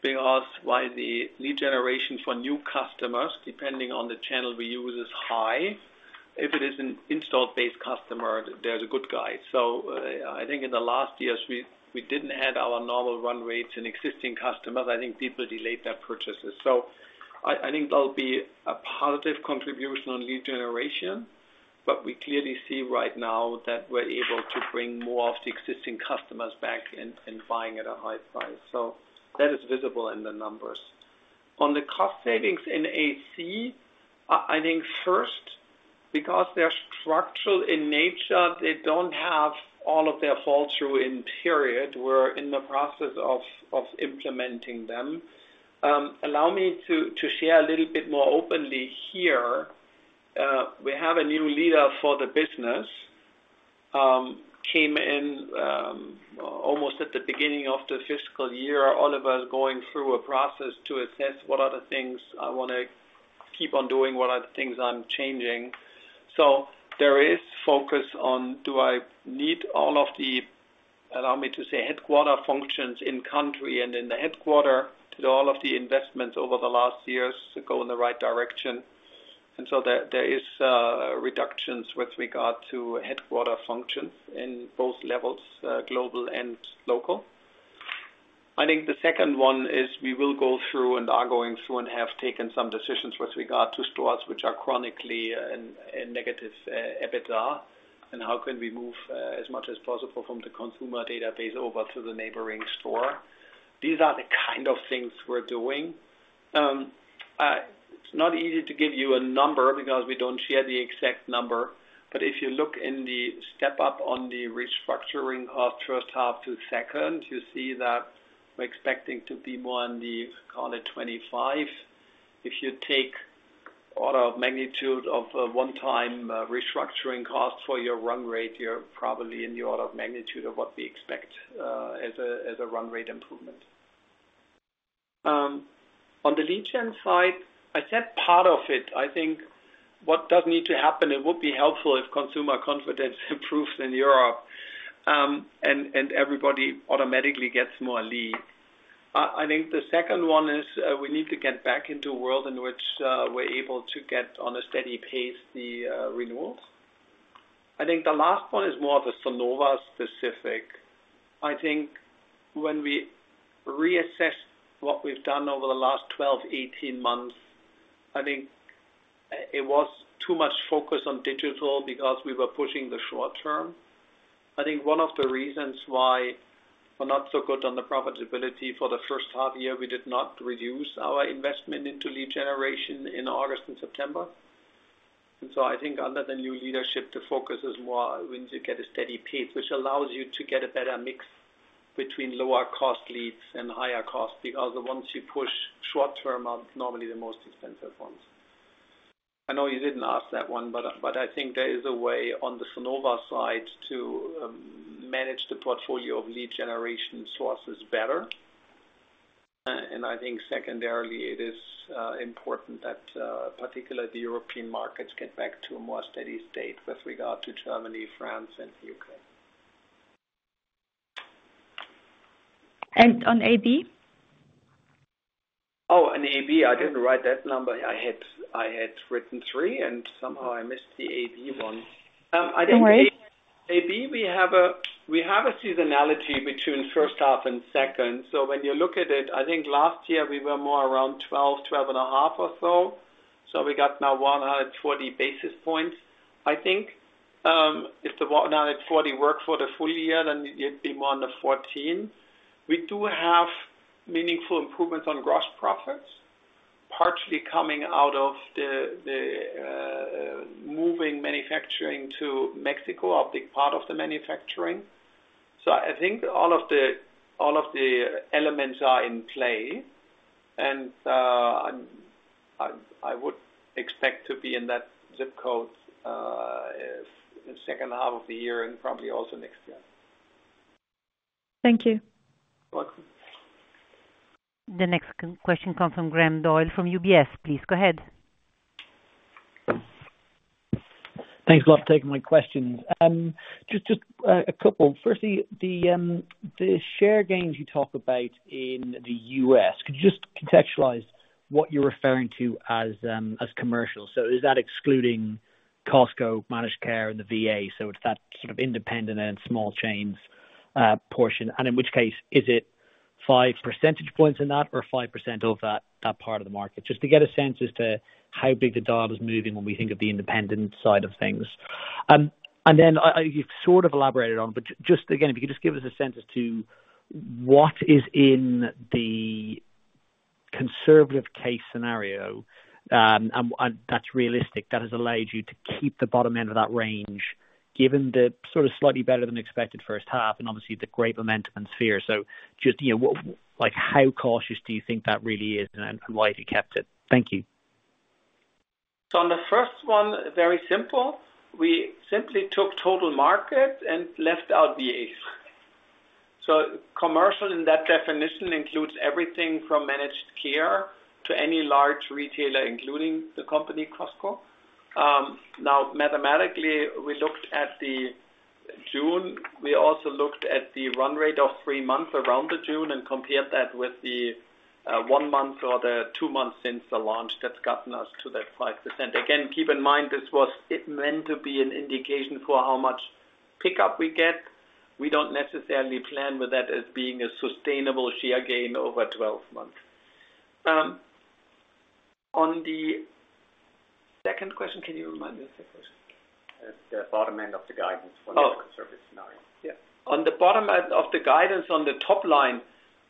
because while the lead generation for new customers, depending on the channel we use, is high, if it is an installed base customer, there's a good guideline. So I think in the last years, we didn't have our normal run rates in existing customers. I think people delayed their purchases. So I think there'll be a positive contribution on lead generation, but we clearly see right now that we're able to bring more of the existing customers back and buying at a high price. So that is visible in the numbers. On the cost savings in AC, I think first, because they're structural in nature, they don't have all of their flow-through in the period. We're in the process of implementing them. Allow me to share a little bit more openly here. We have a new leader for the business. Came in almost at the beginning of the fiscal year. Oliver is going through a process to assess what are the things I want to keep on doing, what are the things I'm changing. So there is focus on, do I need all of the, allow me to say, headquarters functions in country and in the headquarters to do all of the investments over the last years to go in the right direction? And so there are reductions with regard to headquarters functions in both levels, global and local. I think the second one is we will go through and are going through and have taken some decisions with regard to stores which are chronically in negative EBITDA and how can we move as much as possible from the consumer database over to the neighboring store. These are the kind of things we're doing. It's not easy to give you a number because we don't share the exact number. But if you look in the step-up on the restructuring cost, first half to second, you see that we're expecting to be more in the, call it 25. If you take order of magnitude of one-time restructuring cost for your run rate, you're probably in the order of magnitude of what we expect as a run rate improvement. On the lead gen side, I said part of it. I think what does need to happen, it would be helpful if consumer confidence improves in Europe and everybody automatically gets more lead. I think the second one is we need to get back into a world in which we're able to get on a steady pace the renewals. I think the last one is more of a Sonova specific. I think when we reassess what we've done over the last 12, 18 months, I think it was too much focus on digital because we were pushing the short term. I think one of the reasons why we're not so good on the profitability for the first half year is, we did not reduce our investment into lead generation in August and September. And so I think under the new leadership, the focus is more when you get a steady pace, which allows you to get a better mix between lower-cost leads and higher-cost because once you push short-term out, normally the most expensive ones. I know you didn't ask that one, but I think there is a way on the Sonova side to manage the portfolio of lead generation sources better. I think secondarily, it is important that particularly the European markets get back to a more steady state with regard to Germany, France, and the U.K. On AB? Oh, on AB, I didn't write that number. I had written three, and somehow I missed the AB one. I think AB, we have a seasonality between first half and second. So when you look at it, I think last year we were more around 12, 12 and a half or so. So we got now 140 basis points, I think. If the 140 worked for the full year, then you'd be more on the 14. We do have meaningful improvements on gross profits, partially coming out of the moving manufacturing to Mexico, a big part of the manufacturing. So I think all of the elements are in play, and I would expect to be in that zip code in the second half of the year and probably also next year. Thank you. You're welcome. The next question comes from Graham Doyle from UBS. Please go ahead. Thanks a lot for taking my questions. Just a couple. Firstly, the share gains you talk about in the US, could you just contextualize what you're referring to as commercial? So is that excluding Costco, Managed Care, and the VA? So it's that sort of independent and small chains portion. And in which case, is it 5 percentage points in that or 5% of that part of the market? Just to get a sense as to how big the needle is moving when we think of the independent side of things. And then you've sort of elaborated on, but just again, if you could just give us a sense as to what is in the conservative case scenario that's realistic, that has allowed you to keep the bottom end of that range, given the sort of slightly better than expected first half and obviously the great momentum in Sphere. So just how cautious do you think that really is, and why have you kept it? Thank you. So on the first one, very simple. We simply took total market and left out VA. So commercial in that definition includes everything from Managed Care to any large retailer, including the company Costco. Now, mathematically, we looked at the June. We also looked at the run rate of three months around the June and compared that with the one month or the two months since the launch that's gotten us to that 5%. Again, keep in mind, this was meant to be an indication for how much pickup we get. We don't necessarily plan with that as being a sustainable share gain over 12 months. On the second question, can you remind me of the question? The bottom end of the guidance for the conservative scenario. Yeah. On the bottom end of the guidance on the top line,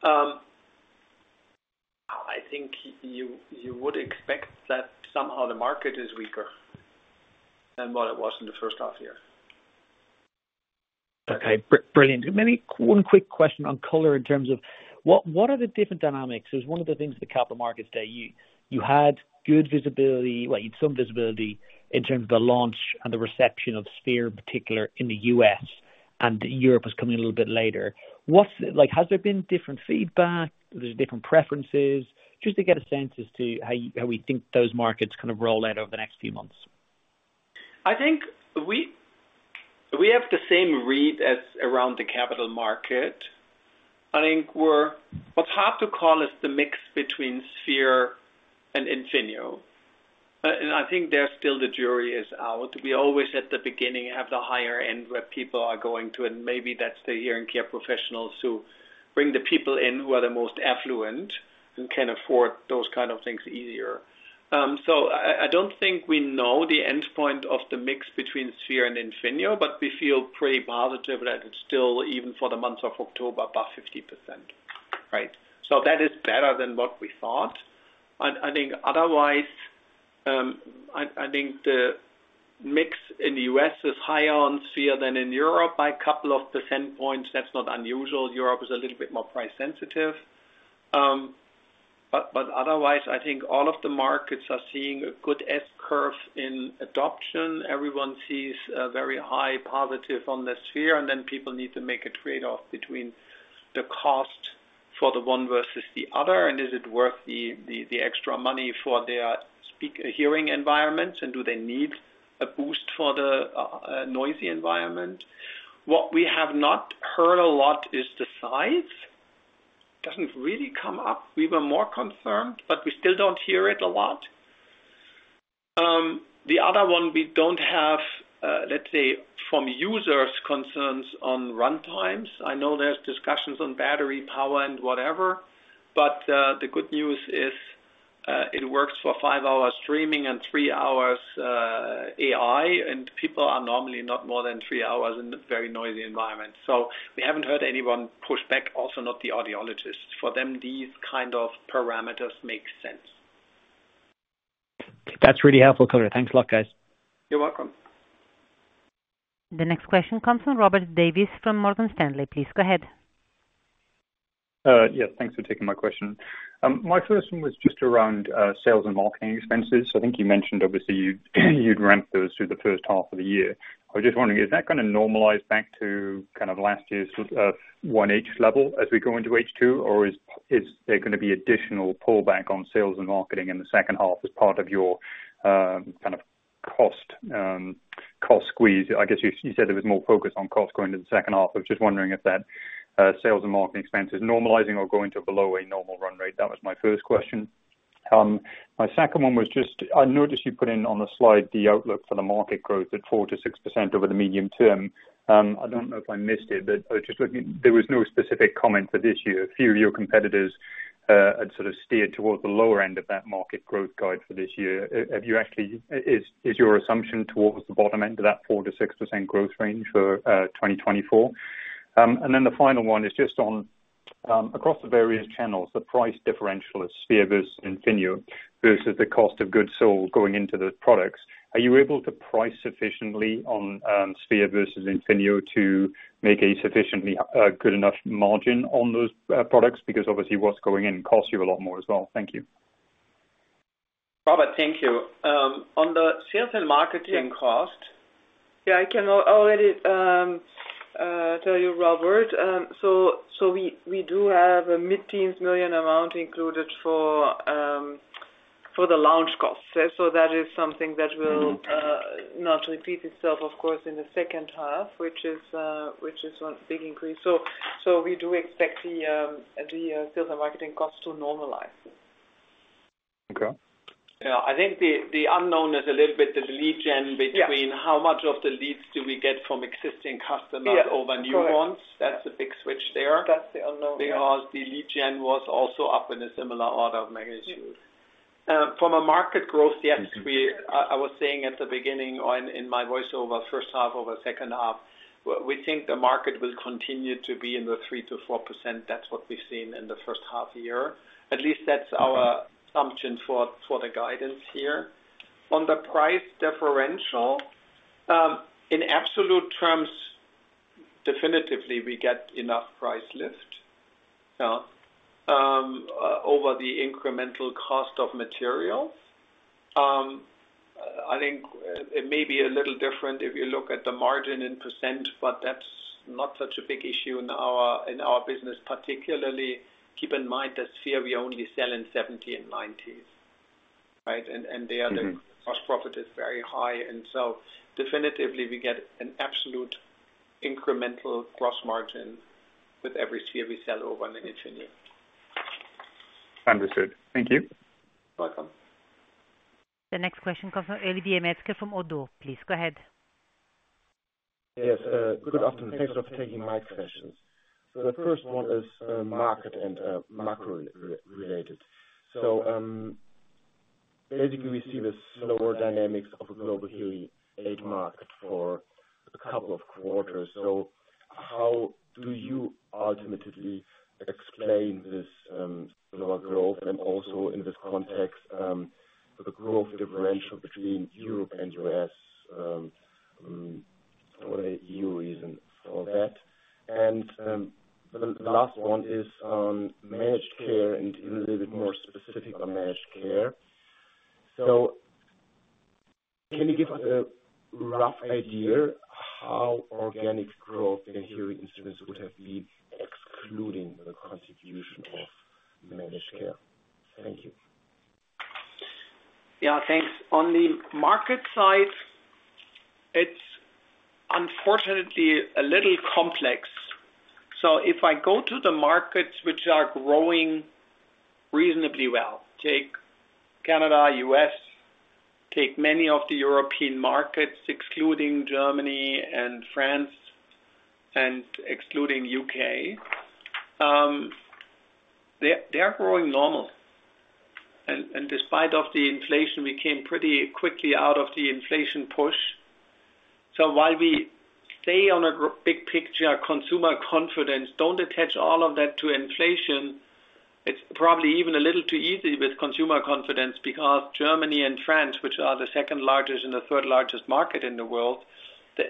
I think you would expect that somehow the market is weaker than what it was in the first half year. Okay. Brilliant. Maybe one quick question on color in terms of what are the different dynamics? It was one of the things that the Capital Markets Day. You had good visibility, well, you had some visibility in terms of the launch and the reception of Sphere, in particular, in the U.S., and Europe was coming a little bit later. Has there been different feedback? Are different preferences? Just to get a sense as to how we think those markets kind of roll out over the next few months. I think we have the same read as around the capital market. I think what's hard to call is the mix between Sphere and Infinio. And I think there's still the jury is out. We always, at the beginning, have the higher end where people are going to, and maybe that's the hearing care professionals who bring the people in who are the most affluent and can afford those kind of things easier. So I don't think we know the endpoint of the mix between Sphere and Infinio, but we feel pretty positive that it's still, even for the month of October, above 50%. Right? So that is better than what we thought. I think otherwise, I think the mix in the U.S. is higher on Sphere than in Europe by a couple of percentage points. That's not unusual. Europe is a little bit more price sensitive. But otherwise, I think all of the markets are seeing a good S-curve in adoption. Everyone sees a very high positive on the Sphere, and then people need to make a trade-off between the cost for the one versus the other. And is it worth the extra money for their hearing environments? And do they need a boost for the noisy environment? What we have not heard a lot is the size. It doesn't really come up. We were more concerned, but we still don't hear it a lot. The other one, we don't have, let's say, from users, concerns on run times. I know there's discussions on battery power and whatever, but the good news is it works for five hours streaming and three hours AI, and people are normally not more than three hours in a very noisy environment. So we haven't heard anyone push back, also not the audiologists. For them, these kind of parameters make sense. That's really helpful color. Thanks a lot, guys. You're welcome. The next question comes from Robert Davies from Morgan Stanley. Please go ahead. Yes. Thanks for taking my question. My first one was just around sales and marketing expenses. I think you mentioned, obviously, you'd ramp those through the first half of the year. I was just wondering, is that going to normalize back to kind of last year's 1H level as we go into H2, or is there going to be additional pullback on sales and marketing in the second half as part of your kind of cost squeeze? I guess you said there was more focus on cost going to the second half. I was just wondering if that sales and marketing expenses normalizing or going to below a normal run rate. That was my first question. My second one was just I noticed you put in on the slide the outlook for the market growth at 4%-6% over the medium term. I don't know if I missed it, but I was just looking. There was no specific comment for this year. A few of your competitors had sort of steered towards the lower end of that market growth guide for this year. Is your assumption towards the bottom end of that 4%-6% growth range for 2024? And then the final one is just on across the various channels, the price differential of Sphere versus Infinio versus the cost of goods sold going into the products. Are you able to price sufficiently on Sphere versus Infinio to make a sufficiently good enough margin on those products? Because obviously, what's going in costs you a lot more as well. Thank you. Robert, thank you. On the sales and marketing cost— Yeah, I can already tell you, Robert. So we do have a mid-teens million CHF amount included for the launch costs. So that is something that will not repeat itself, of course, in the second half, which is one big increase. So we do expect the sales and marketing costs to normalize. Okay. Yeah. I think the unknown is a little bit the lead gen between how much of the leads do we get from existing customers over new ones. That's a big switch there. That's the unknown. Because the lead gen was also up in a similar order of magnitude. From a market growth, yes, I was saying at the beginning or in my voiceover, first half over second half, we think the market will continue to be in the 3%-4%. That's what we've seen in the first half year. At least that's our assumption for the guidance here. On the price differential, in absolute terms, definitely we get enough price lift over the incremental cost of materials. I think it may be a little different if you look at the margin in %, but that's not such a big issue in our business, particularly keep in mind that Sphere, we only sell in 70 and 90s, right? And there the cost profit is very high. And so definitely we get an absolute incremental gross margin with every Sphere we sell over an Infinio. Understood. Thank you. You're welcome. The next question comes from Oliver Metzger from Oddo. Please go ahead. Yes. Good afternoon. Thanks for taking my questions. So the first one is market and macro related. So basically, we see the slower dynamics of a global hearing aid market for a couple of quarters. So how do you ultimately explain this slower growth? And also in this context, the growth differential between Europe and U.S., what are your reasons for that? And the last one is on Managed Care and a little bit more specific on Managed Care. So can you give us a rough idea how organic growth in hearing instruments would have been excluding the contribution of Managed Care? Thank you. Yeah. Thanks. On the market side, it's unfortunately a little complex. So if I go to the markets which are growing reasonably well, take Canada, U.S., take many of the European markets, excluding Germany and France and excluding U.K., they're growing normal. And despite of the inflation, we came pretty quickly out of the inflation push. So while we stay on a big picture, consumer confidence, don't attach all of that to inflation. It's probably even a little too easy with consumer confidence because Germany and France, which are the second largest and the third largest market in the world,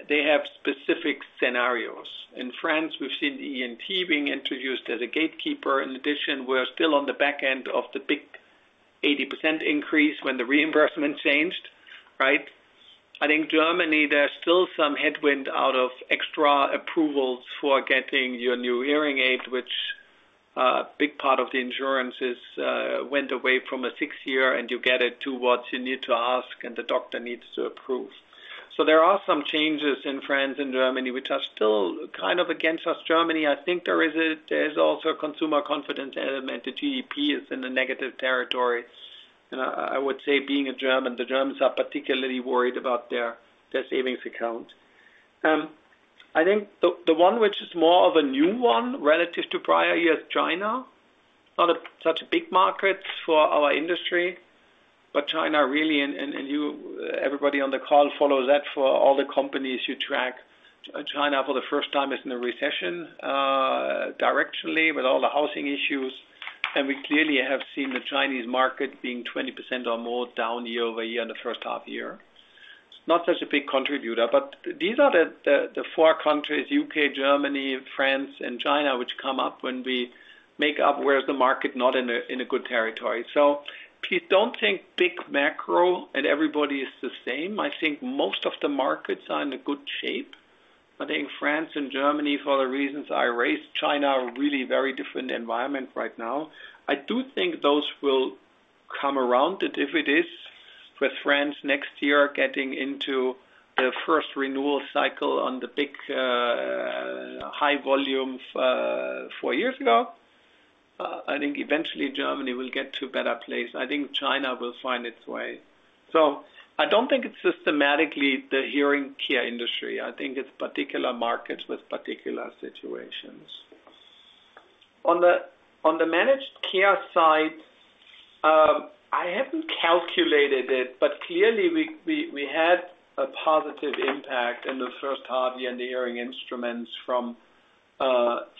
they have specific scenarios. In France, we've seen ENT being introduced as a gatekeeper. In addition, we're still on the back end of the big 80% increase when the reimbursement changed, right? I think in Germany, there's still some headwind from extra approvals for getting your new hearing aid, which a big part of the insurances went away from a six-year, and you get it to what you need to ask, and the doctor needs to approve so there are some changes in France and Germany which are still kind of against us in Germany. I think there is also a consumer confidence element. The GDP is in a negative territory and I would say, being a German, the Germans are particularly worried about their savings account. I think the one which is more of a new one relative to prior years, China, not such a big market for our industry, but China really, and everybody on the call follows that for all the companies you track. China for the first time is in a recession directionally with all the housing issues. We clearly have seen the Chinese market being 20% or more down year-over-year in the first half year. It is not such a big contributor. These are the four countries: U.K., Germany, France, and China, which come up when we make up where the market is not in a good territory. Please do not think big macro and everybody is the same. I think most of the markets are in a good shape. I think France and Germany, for the reasons I raised, China are really a very different environment right now. I do think those will come around. If it is with France next year getting into the first renewal cycle on the big high volume four years ago, I think eventually Germany will get to a better place. I think China will find its way. So I don't think it's systematically the hearing care industry. I think it's particular markets with particular situations. On the Managed Care side, I haven't calculated it, but clearly we had a positive impact in the first half year in the hearing instruments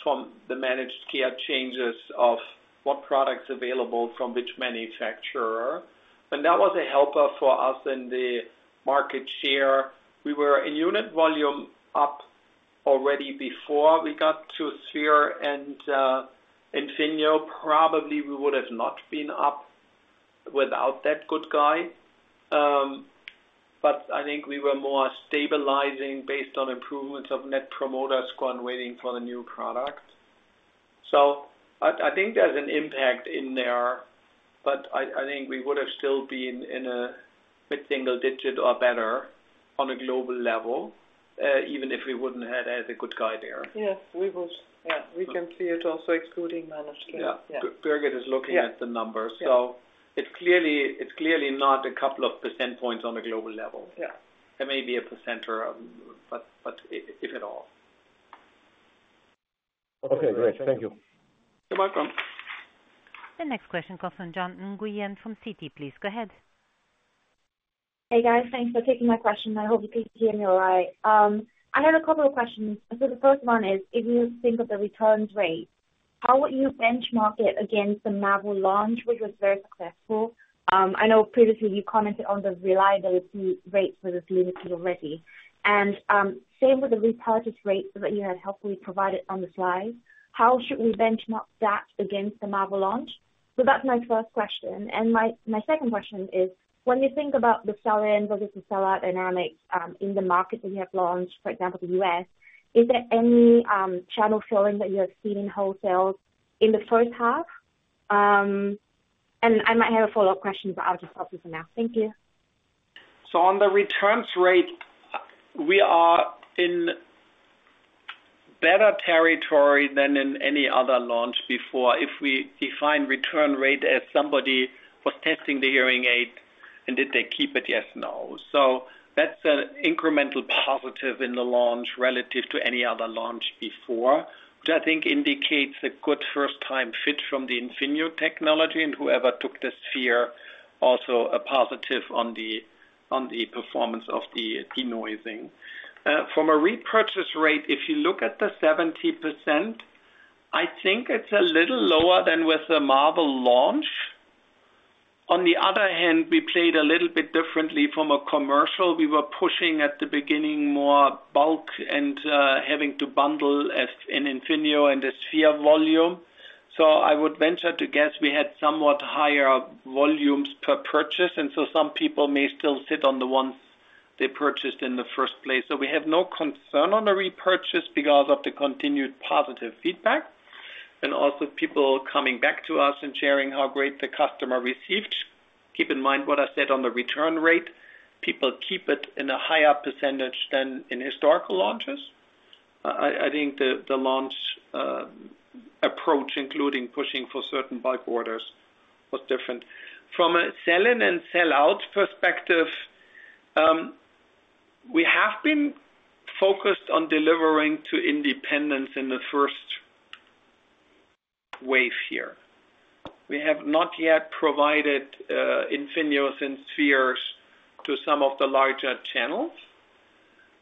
from the Managed Care changes of what products available from which manufacturer. And that was a helper for us in the market share. We were in unit volume up already before we got to Sphere and Infinio. Probably we would have not been up without that good guy. But I think we were more stabilizing based on improvements of net promoter score and waiting for the new product. So I think there's an impact in there, but I think we would have still been in a mid-single digit or better on a global level, even if we wouldn't have had a good guy there. Yes. We would. Yeah. We can see it also excluding Managed Care. Yeah. Birgit is looking at the numbers. So it's clearly not a couple of percentage points on a global level. There may be a percent or a, but if at all. Okay. Great. Thank you. You're welcome. The next question comes from June Nguyen from Citi. Please go ahead. Hey, guys. Thanks for taking my question. I hope you can hear me all right. I had a couple of questions. The first one is, if you think of the returns rate, how would you benchmark it against the Marvel launch, which was very successful? I know previously you commented on the reliability rates with the hearing aids already. And same with the repurchase rates that you had helpfully provided on the slide. How should we benchmark that against the Marvel launch? That's my first question. And my second question is, when you think about the sell-in versus the sell-out dynamics in the market that you have launched, for example, the US, is there any channel filling that you have seen in wholesales in the first half? And I might have a follow-up question, but I'll just stop for now. Thank you. On the returns rate, we are in better territory than in any other launch before. If we define return rate as somebody was testing the hearing aid and did they keep it? Yes or no? So that's an incremental positive in the launch relative to any other launch before, which I think indicates a good first-time fit from the Infinio technology and whoever took the Sphere, also a positive on the performance of the denoising. From a repurchase rate, if you look at the 70%, I think it's a little lower than with the Marvel launch. On the other hand, we played a little bit differently from a commercial. We were pushing at the beginning more bulk and having to bundle in Infinio and the Sphere volume. So I would venture to guess we had somewhat higher volumes per purchase. And so some people may still sit on the ones they purchased in the first place. So we have no concern on the repurchase because of the continued positive feedback and also people coming back to us and sharing how great the customer received. Keep in mind what I said on the return rate. People keep it in a higher percentage than in historical launches. I think the launch approach, including pushing for certain bulk orders, was different. From a sell-in and sell-out perspective, we have been focused on delivering to independents in the first wave here. We have not yet provided Infinios and Spheres to some of the larger channels.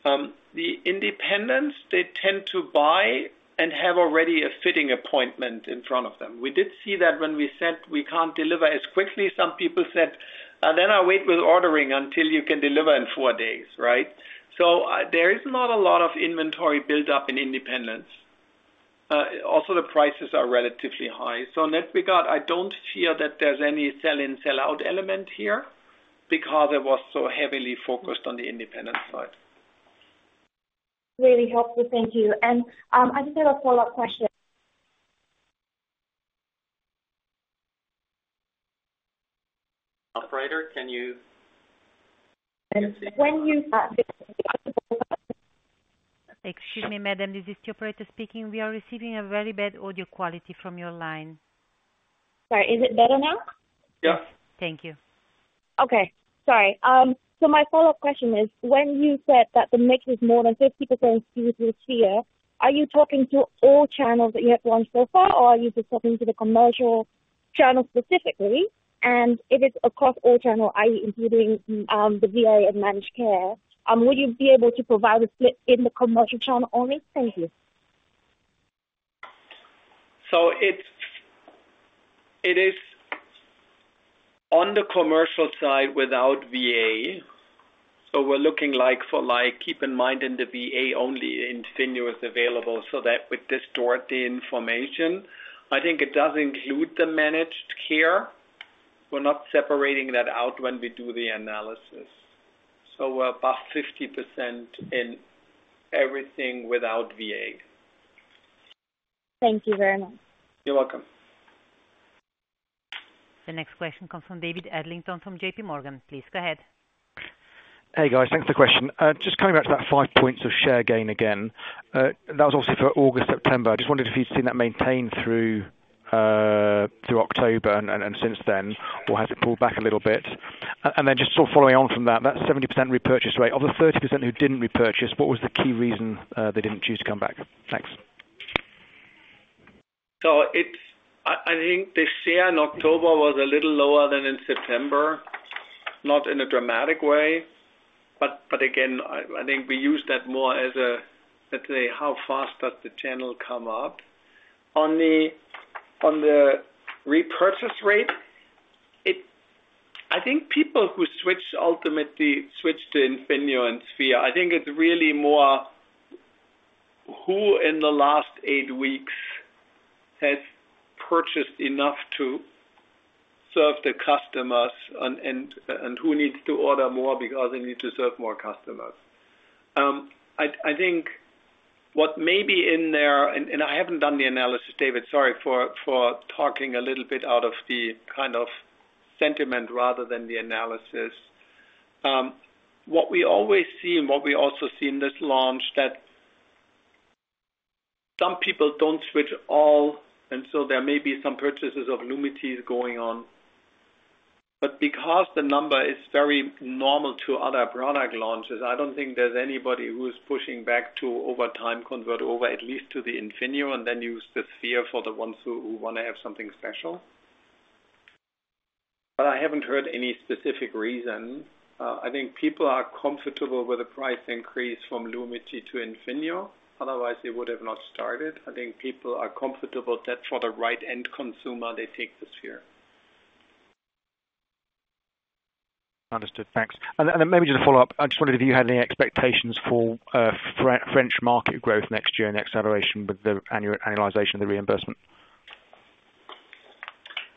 The independents, they tend to buy and have already a fitting appointment in front of them. We did see that when we said we can't deliver as quickly. Some people said, "Then I wait with ordering until you can deliver in four days," right? So there is not a lot of inventory buildup in independents. Also, the prices are relatively high. So in that regard, I don't fear that there's any sell-in, sell-out element here because it was so heavily focused on the independent side. Really helpful. Thank you. And I just have a follow-up question. Operator, can you? Excuse me, Madam, this is the operator speaking. We are receiving a very bad audio quality from your line. Sorry. Is it better now? Yes. Thank you. Okay. Sorry. So my follow-up question is, when you said that the mix is more than 50% exclusive Sphere, are you talking to all channels that you have launched so far, or are you just talking to the commercial channel specifically? And if it's across all channels, i.e., including the VA and Managed Care, would you be able to provide a split in the commercial channel only? Thank you. So it is on the commercial side without VA. So, we're looking for—keep in mind—in the VA only, Infinio is available so that we distort the information. I think it does include the Managed Care. We're not separating that out when we do the analysis. So, we're above 50% in everything without VA. Thank you very much. You're welcome. The next question comes from David Adlington from JPMorgan. Please go ahead. Hey, guys. Thanks for the question. Just coming back to that five points of share gain again. That was obviously for August, September. I just wondered if you'd seen that maintained through October and since then, or has it pulled back a little bit? And then just sort of following on from that, that 70% repurchase rate, of the 30% who didn't repurchase, what was the key reason they didn't choose to come back? Thanks. So I think the share in October was a little lower than in September, not in a dramatic way. But again, I think we use that more as a, let's say, how fast does the channel come up? On the repurchase rate, I think people who ultimately switched to Infinio and Sphere, I think it's really more who in the last eight weeks has purchased enough to serve the customers and who needs to order more because they need to serve more customers. I think what may be in there, and I haven't done the analysis, David, sorry, for talking a little bit out of the kind of sentiment rather than the analysis. What we always see and what we also see in this launch, that some people don't switch at all, and so there may be some purchases of Lumity going on. But because the number is very normal to other product launches, I don't think there's anybody who is pushing back to over time convert over, at least to the Infinio, and then use the Sphere for the ones who want to have something special. But I haven't heard any specific reason. I think people are comfortable with a price increase from Lumity to Infinio. Otherwise, they would have not started. I think people are comfortable that for the high-end consumer, they take the Sphere. Understood. Thanks. And then maybe just a follow-up. I just wondered if you had any expectations for French market growth next year and the acceleration with the annualization of the reimbursement.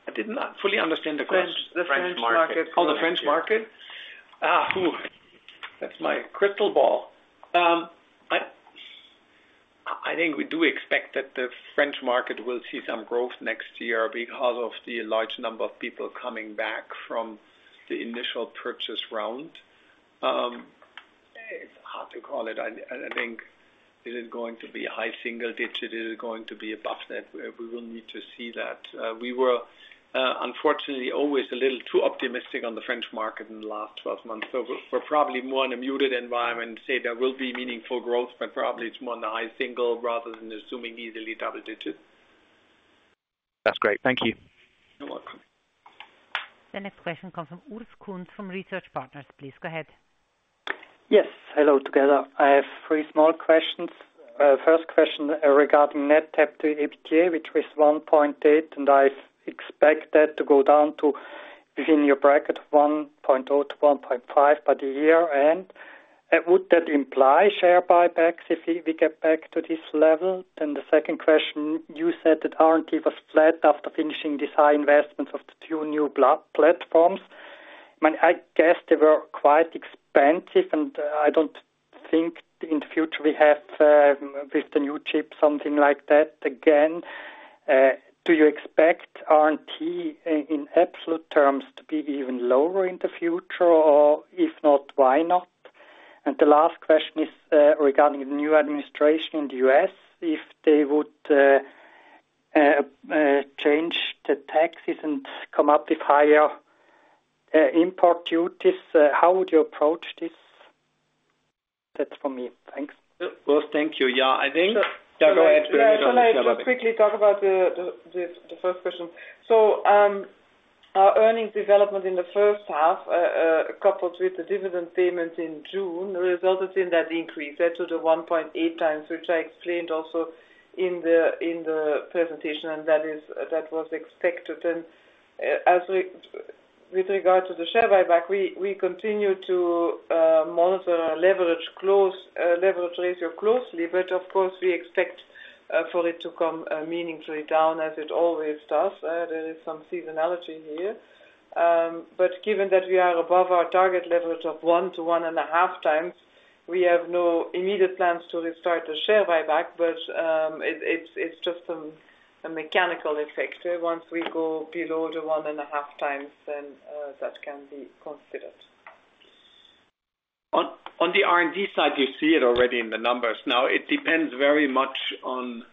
I did not fully understand the question. The French market. Oh, the French market? That's my crystal ball. I think we do expect that the French market will see some growth next year because of the large number of people coming back from the initial purchase round. It's hard to call it. I think it is going to be a high single digit. It is going to be above that. We will need to see that. We were unfortunately always a little too optimistic on the French market in the last 12 months. So we're probably more in a muted environment. Say there will be meaningful growth, but probably it's more in the high single rather than assuming easily double digits. That's great. Thank you. You're welcome. The next question comes from Urs Kunz from Research Partners. Please go ahead. Yes. Hello together. I have three small questions. First question regarding net debt/EBITDA, which was 1.8, and I expect that to go down to within your bracket of 1.0 - 1.5 by the year. Would that imply share buybacks if we get back to this level? The second question, you said that R&D was flat after finishing design investments of the two new platforms. I guess they were quite expensive, and I do not think in the future we have with the new chip something like that again. Do you expect R&D in absolute terms to be even lower in the future? Or if not, why not? The last question is regarding the new administration in the U.S. If they would change the taxes and come up with higher import duties, how would you approach this? That is from me. Thanks. I just want to quickly talk about the first question, so our earnings development in the first half, coupled with the dividend payments in June, resulted in that increase to the 1.8 times, which I explained also in the presentation, and that was expected, and with regard to the share buyback, we continue to monitor our leverage ratio closely, but of course, we expect for it to come meaningfully down as it always does. There is some seasonality here, but given that we are above our target leverage of one to one and a half times, we have no immediate plans to restart the share buyback, but it's just a mechanical effect. Once we go below the one and a half times, then that can be considered. On the R&D side, you see it already in the numbers. Now, it depends very much on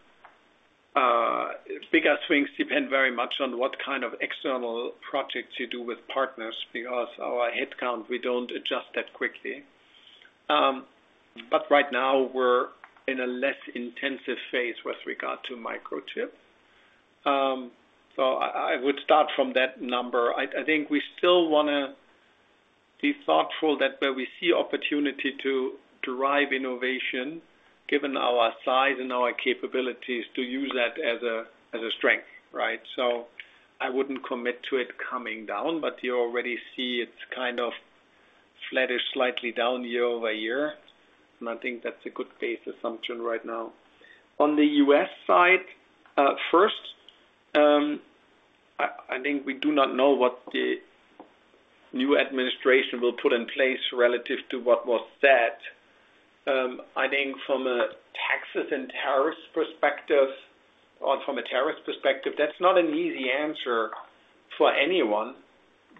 bigger swings depend very much on what kind of external projects you do with partners, because our headcount, we don't adjust that quickly. But right now, we're in a less intensive phase with regard to microchip. So I would start from that number. I think we still want to be thoughtful that where we see opportunity to drive innovation, given our size and our capabilities, to use that as a strength, right? So I wouldn't commit to it coming down, but you already see it's kind of flattish, slightly down year-over-year, and I think that's a good base assumption right now. On the U.S. side, first, I think we do not know what the new administration will put in place relative to what was said. I think from a taxes and tariffs perspective, or from a tariff perspective, that's not an easy answer for anyone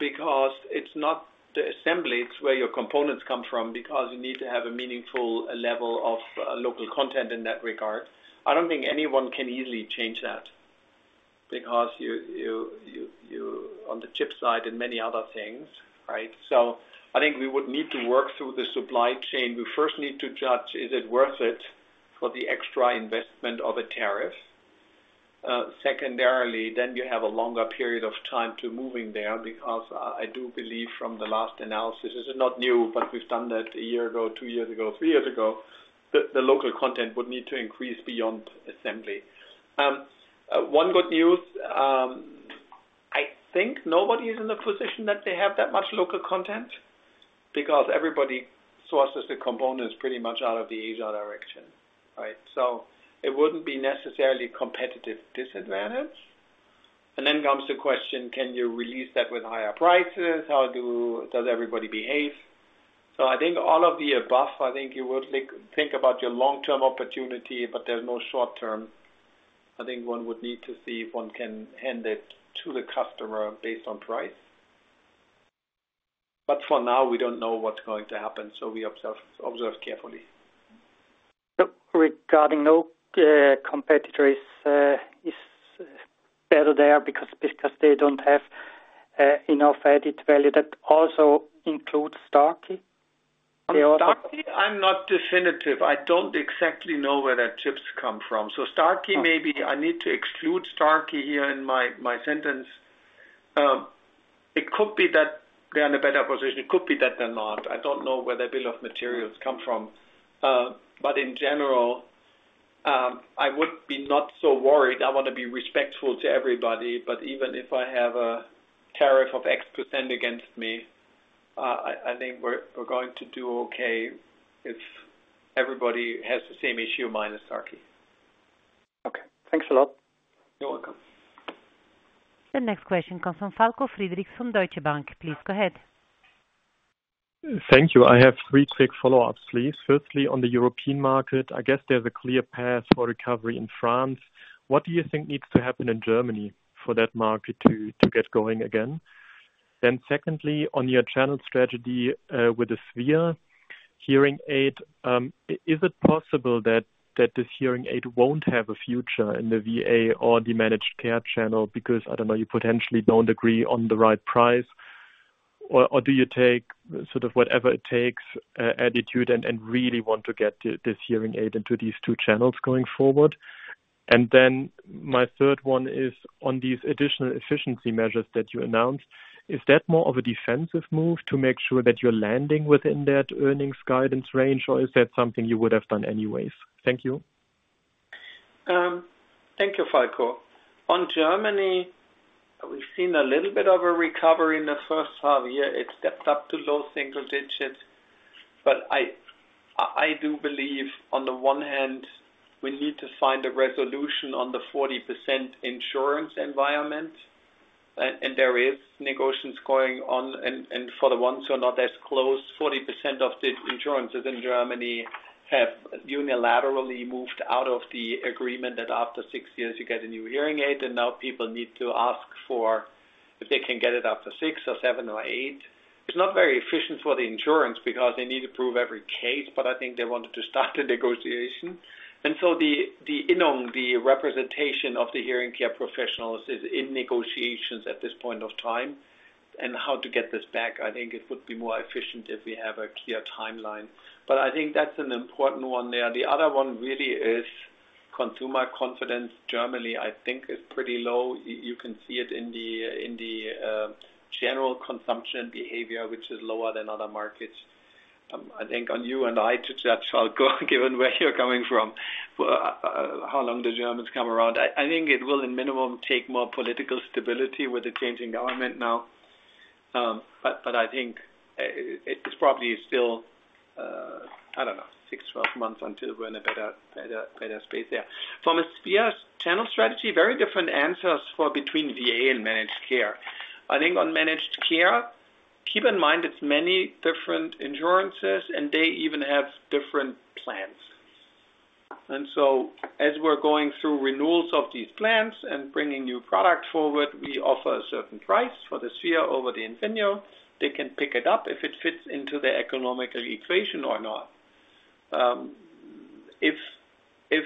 because it's not the assembly. It's where your components come from because you need to have a meaningful level of local content in that regard. I don't think anyone can easily change that because on the chip side and many other things, right? So I think we would need to work through the supply chain. We first need to judge, is it worth it for the extra investment of a tariff? Secondarily, then you have a longer period of time to moving there because I do believe from the last analysis, this is not new, but we've done that a year ago, two years ago, three years ago, that the local content would need to increase beyond assembly. One good news, I think nobody is in a position that they have that much local content because everybody sources the components pretty much out of the Asia direction, right? So it wouldn't be necessarily competitive disadvantage. And then comes the question, can you release that with higher prices? How does everybody behave? So I think all of the above, I think you would think about your long-term opportunity, but there's no short-term. I think one would need to see if one can hand it to the customer based on price. But for now, we don't know what's going to happen, so we observe carefully. Regarding no competitors, it's better there because they don't have enough added value that also includes Starkey. Starkey? I'm not definitive. I don't exactly know where their chips come from. So Starkey, maybe I need to exclude Starkey here in my sentence. It could be that they're in a better position. It could be that they're not. I don't know where their bill of materials come from. But in general, I would be not so worried. I want to be respectful to everybody, but even if I have a tariff of X% against me, I think we're going to do okay if everybody has the same issue minus Starkey. Okay. Thanks a lot. You're welcome. The next question comes from Falko Friedrichs from Deutsche Bank. Please go ahead. Thank you. I have three quick follow-ups, please. Firstly, on the European market, I guess there's a clear path for recovery in France. What do you think needs to happen in Germany for that market to get going again? Then secondly, on your channel strategy with the Sphere hearing aid, is it possible that this hearing aid won't have a future in the VA or the Managed Care channel because, I don't know, you potentially don't agree on the right price? Or do you take sort of whatever it takes attitude and really want to get this hearing aid into these two channels going forward? And then my third one is, on these additional efficiency measures that you announced, is that more of a defensive move to make sure that you're landing within that earnings guidance range, or is that something you would have done anyways? Thank you. Thank you, Falko. On Germany, we've seen a little bit of a recovery in the first half year. It stepped up to low single digits. But I do believe, on the one hand, we need to find a resolution on the 40% insurance environment. And there are negotiations going on. And for the ones who are not as close, 40% of the insurances in Germany have unilaterally moved out of the agreement that after six years, you get a new hearing aid, and now people need to ask if they can get it after six or seven or eight. It's not very efficient for the insurance because they need to prove every case, but I think they wanted to start a negotiation. And so the Innung, the representation of the hearing care professionals, is in negotiations at this point of time. And how to get this back, I think it would be more efficient if we have a clear timeline. But I think that's an important one there. The other one really is consumer confidence. Germany, I think, is pretty low. You can see it in the general consumption behavior, which is lower than other markets. I think on you and I to judge, Falko, given where you're coming from, how long the Germans come around. I think it will, in minimum, take more political stability with the changing government now. But I think it's probably still, I don't know, six, 12 months until we're in a better space there. From a Sphere channel strategy, very different answers between VA and Managed Care. I think on Managed Care, keep in mind it's many different insurances, and they even have different plans. And so as we're going through renewals of these plans and bringing new product forward, we offer a certain price for the Sphere over the Infinio. They can pick it up if it fits into their economic equation or not. If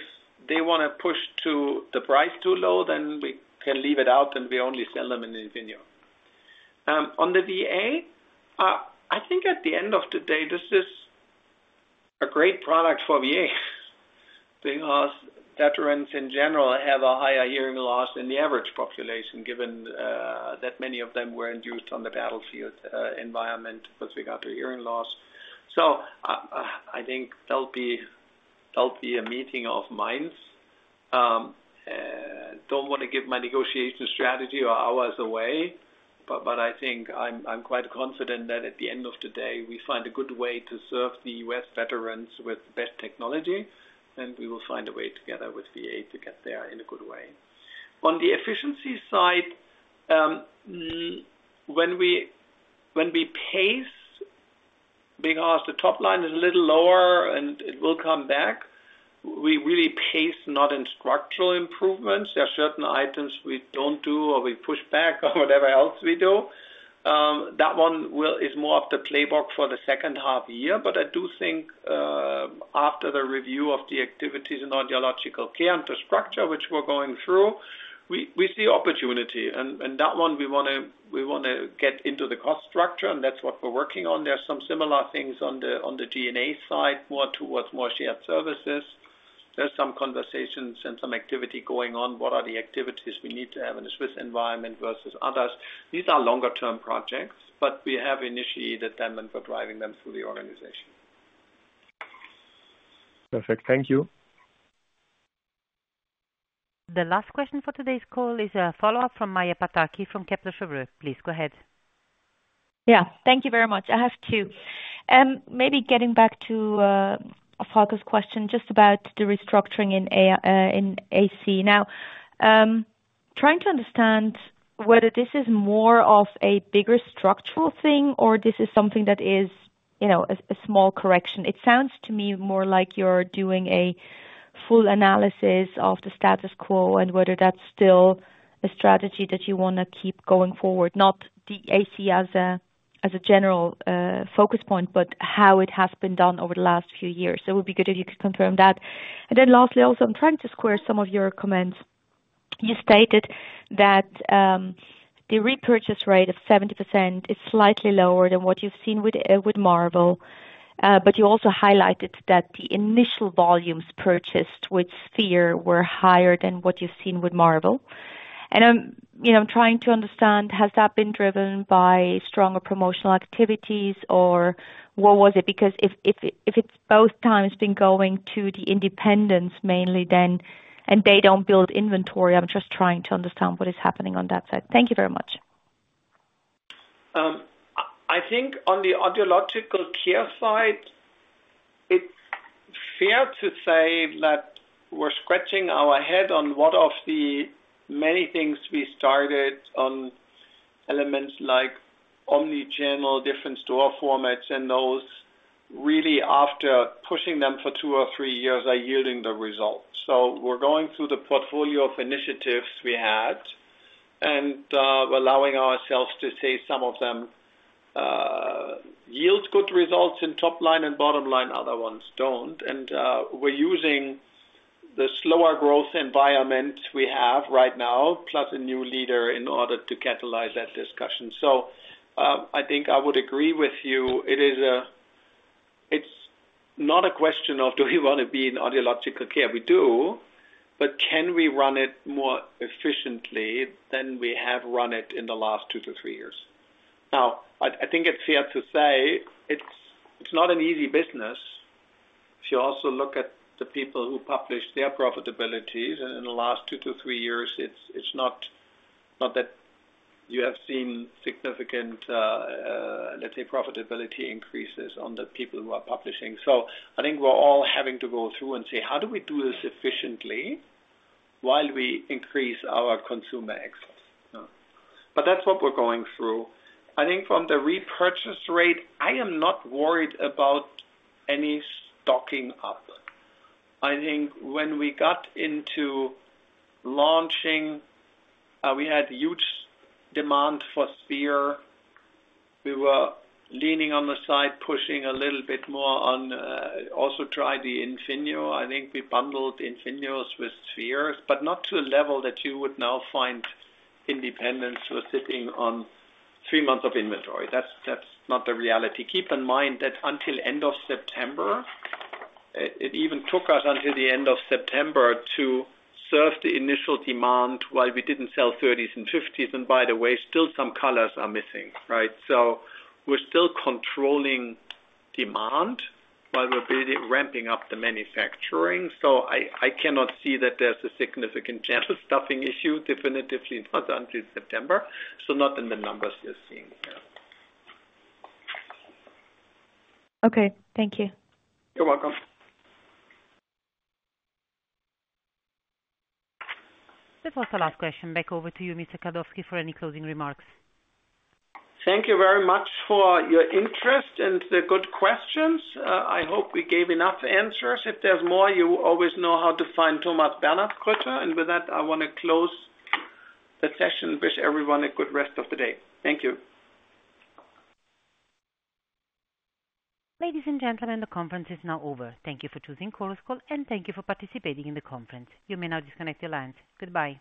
they want to push the price too low, then we can leave it out, and we only sell them in Infinio. On the VA, I think at the end of the day, this is a great product for VA because veterans in general have a higher hearing loss than the average population, given that many of them were incurred in the battlefield environment with regard to hearing loss. So I think there'll be a meeting of minds. Don't want to give away my negotiation strategy or hours away, but I think I'm quite confident that at the end of the day, we find a good way to serve the U.S. veterans with the best technology, and we will find a way together with VA to get there in a good way. On the efficiency side, when we pace because the top line is a little lower and it will come back, we really pace not in structural improvements. There are certain items we don't do or we push back or whatever else we do. That one is more of the playbook for the second half year. But I do think after the review of the activities and Audiological Care and the structure which we're going through, we see opportunity. And that one, we want to get into the cost structure, and that's what we're working on. There's some similar things on the G&A side, more towards more shared services. There's some conversations and some activity going on. What are the activities we need to have in a Swiss environment versus others? These are longer-term projects, but we have initiated them and we're driving them through the organization. Perfect. Thank you. The last question for today's call is a follow-up from Maja Pataki from Kepler Chevreux. Please go ahead. Yeah. Thank you very much. I have two. Maybe getting back to Falko's question just about the restructuring in AC. Now, trying to understand whether this is more of a bigger structural thing or this is something that is a small correction. It sounds to me more like you're doing a full analysis of the status quo and whether that's still a strategy that you want to keep going forward, not the AC as a general focus point, but how it has been done over the last few years. It would be good if you could confirm that. And then lastly, also, I'm trying to square some of your comments. You stated that the repurchase rate of 70% is slightly lower than what you've seen with Marvel, but you also highlighted that the initial volumes purchased with Sphere were higher than what you've seen with Marvel. And I'm trying to understand, has that been driven by stronger promotional activities, or what was it? Because if it's both times been going to the independents mainly, and they don't build inventory, I'm just trying to understand what is happening on that side. Thank you very much. I think on the Audiological Care side, it's fair to say that we're scratching our head on what of the many things we started on elements like omnichannel, different store formats, and those really after pushing them for two or three years are yielding the results. We're going through the portfolio of initiatives we had and allowing ourselves to say some of them yield good results in top line and bottom line; other ones don't. We're using the slower growth environment we have right now, plus a new leader in order to catalyze that discussion. I think I would agree with you. It's not a question of do we want to be in Audiological Care. We do, but can we run it more efficiently than we have run it in the last two to three years? I think it's fair to say it's not an easy business if you also look at the people who publish their profitabilities. In the last two to three years, it's not that you have seen significant, let's say, profitability increases on the people who are publishing. So, I think we're all having to go through and say, how do we do this efficiently while we increase our consumer excess? But that's what we're going through. I think from the repurchase rate, I am not worried about any stocking up. I think when we got into launching, we had huge demand for Sphere. We were leaning on the side, pushing a little bit more on also try the Infinio. I think we bundled Infinios with Spheres, but not to a level that you would now find independents who are sitting on three months of inventory. That's not the reality. Keep in mind that until end of September, it even took us until the end of September to serve the initial demand while we didn't sell 30s and 50s. And by the way, still some colors are missing, right? So we're still controlling demand while we're ramping up the manufacturing. So I cannot see that there's a significant channel stuffing issue, definitely not until September. So not in the numbers you're seeing here. Okay. Thank you. You're welcome. That was the last question. Back over to you, Mr. Kaldowski, for any closing remarks. Thank you very much for your interest and the good questions. I hope we gave enough answers. If there's more, you always know how to find Thomas Bernhardsgrütter. And with that, I want to close the session. Wish everyone a good rest of the day. Thank you. Ladies and gentlemen, the conference is now over. Thank you for choosing Chorus Call, and thank you for participating in the conference. You may now disconnect your lines. Goodbye.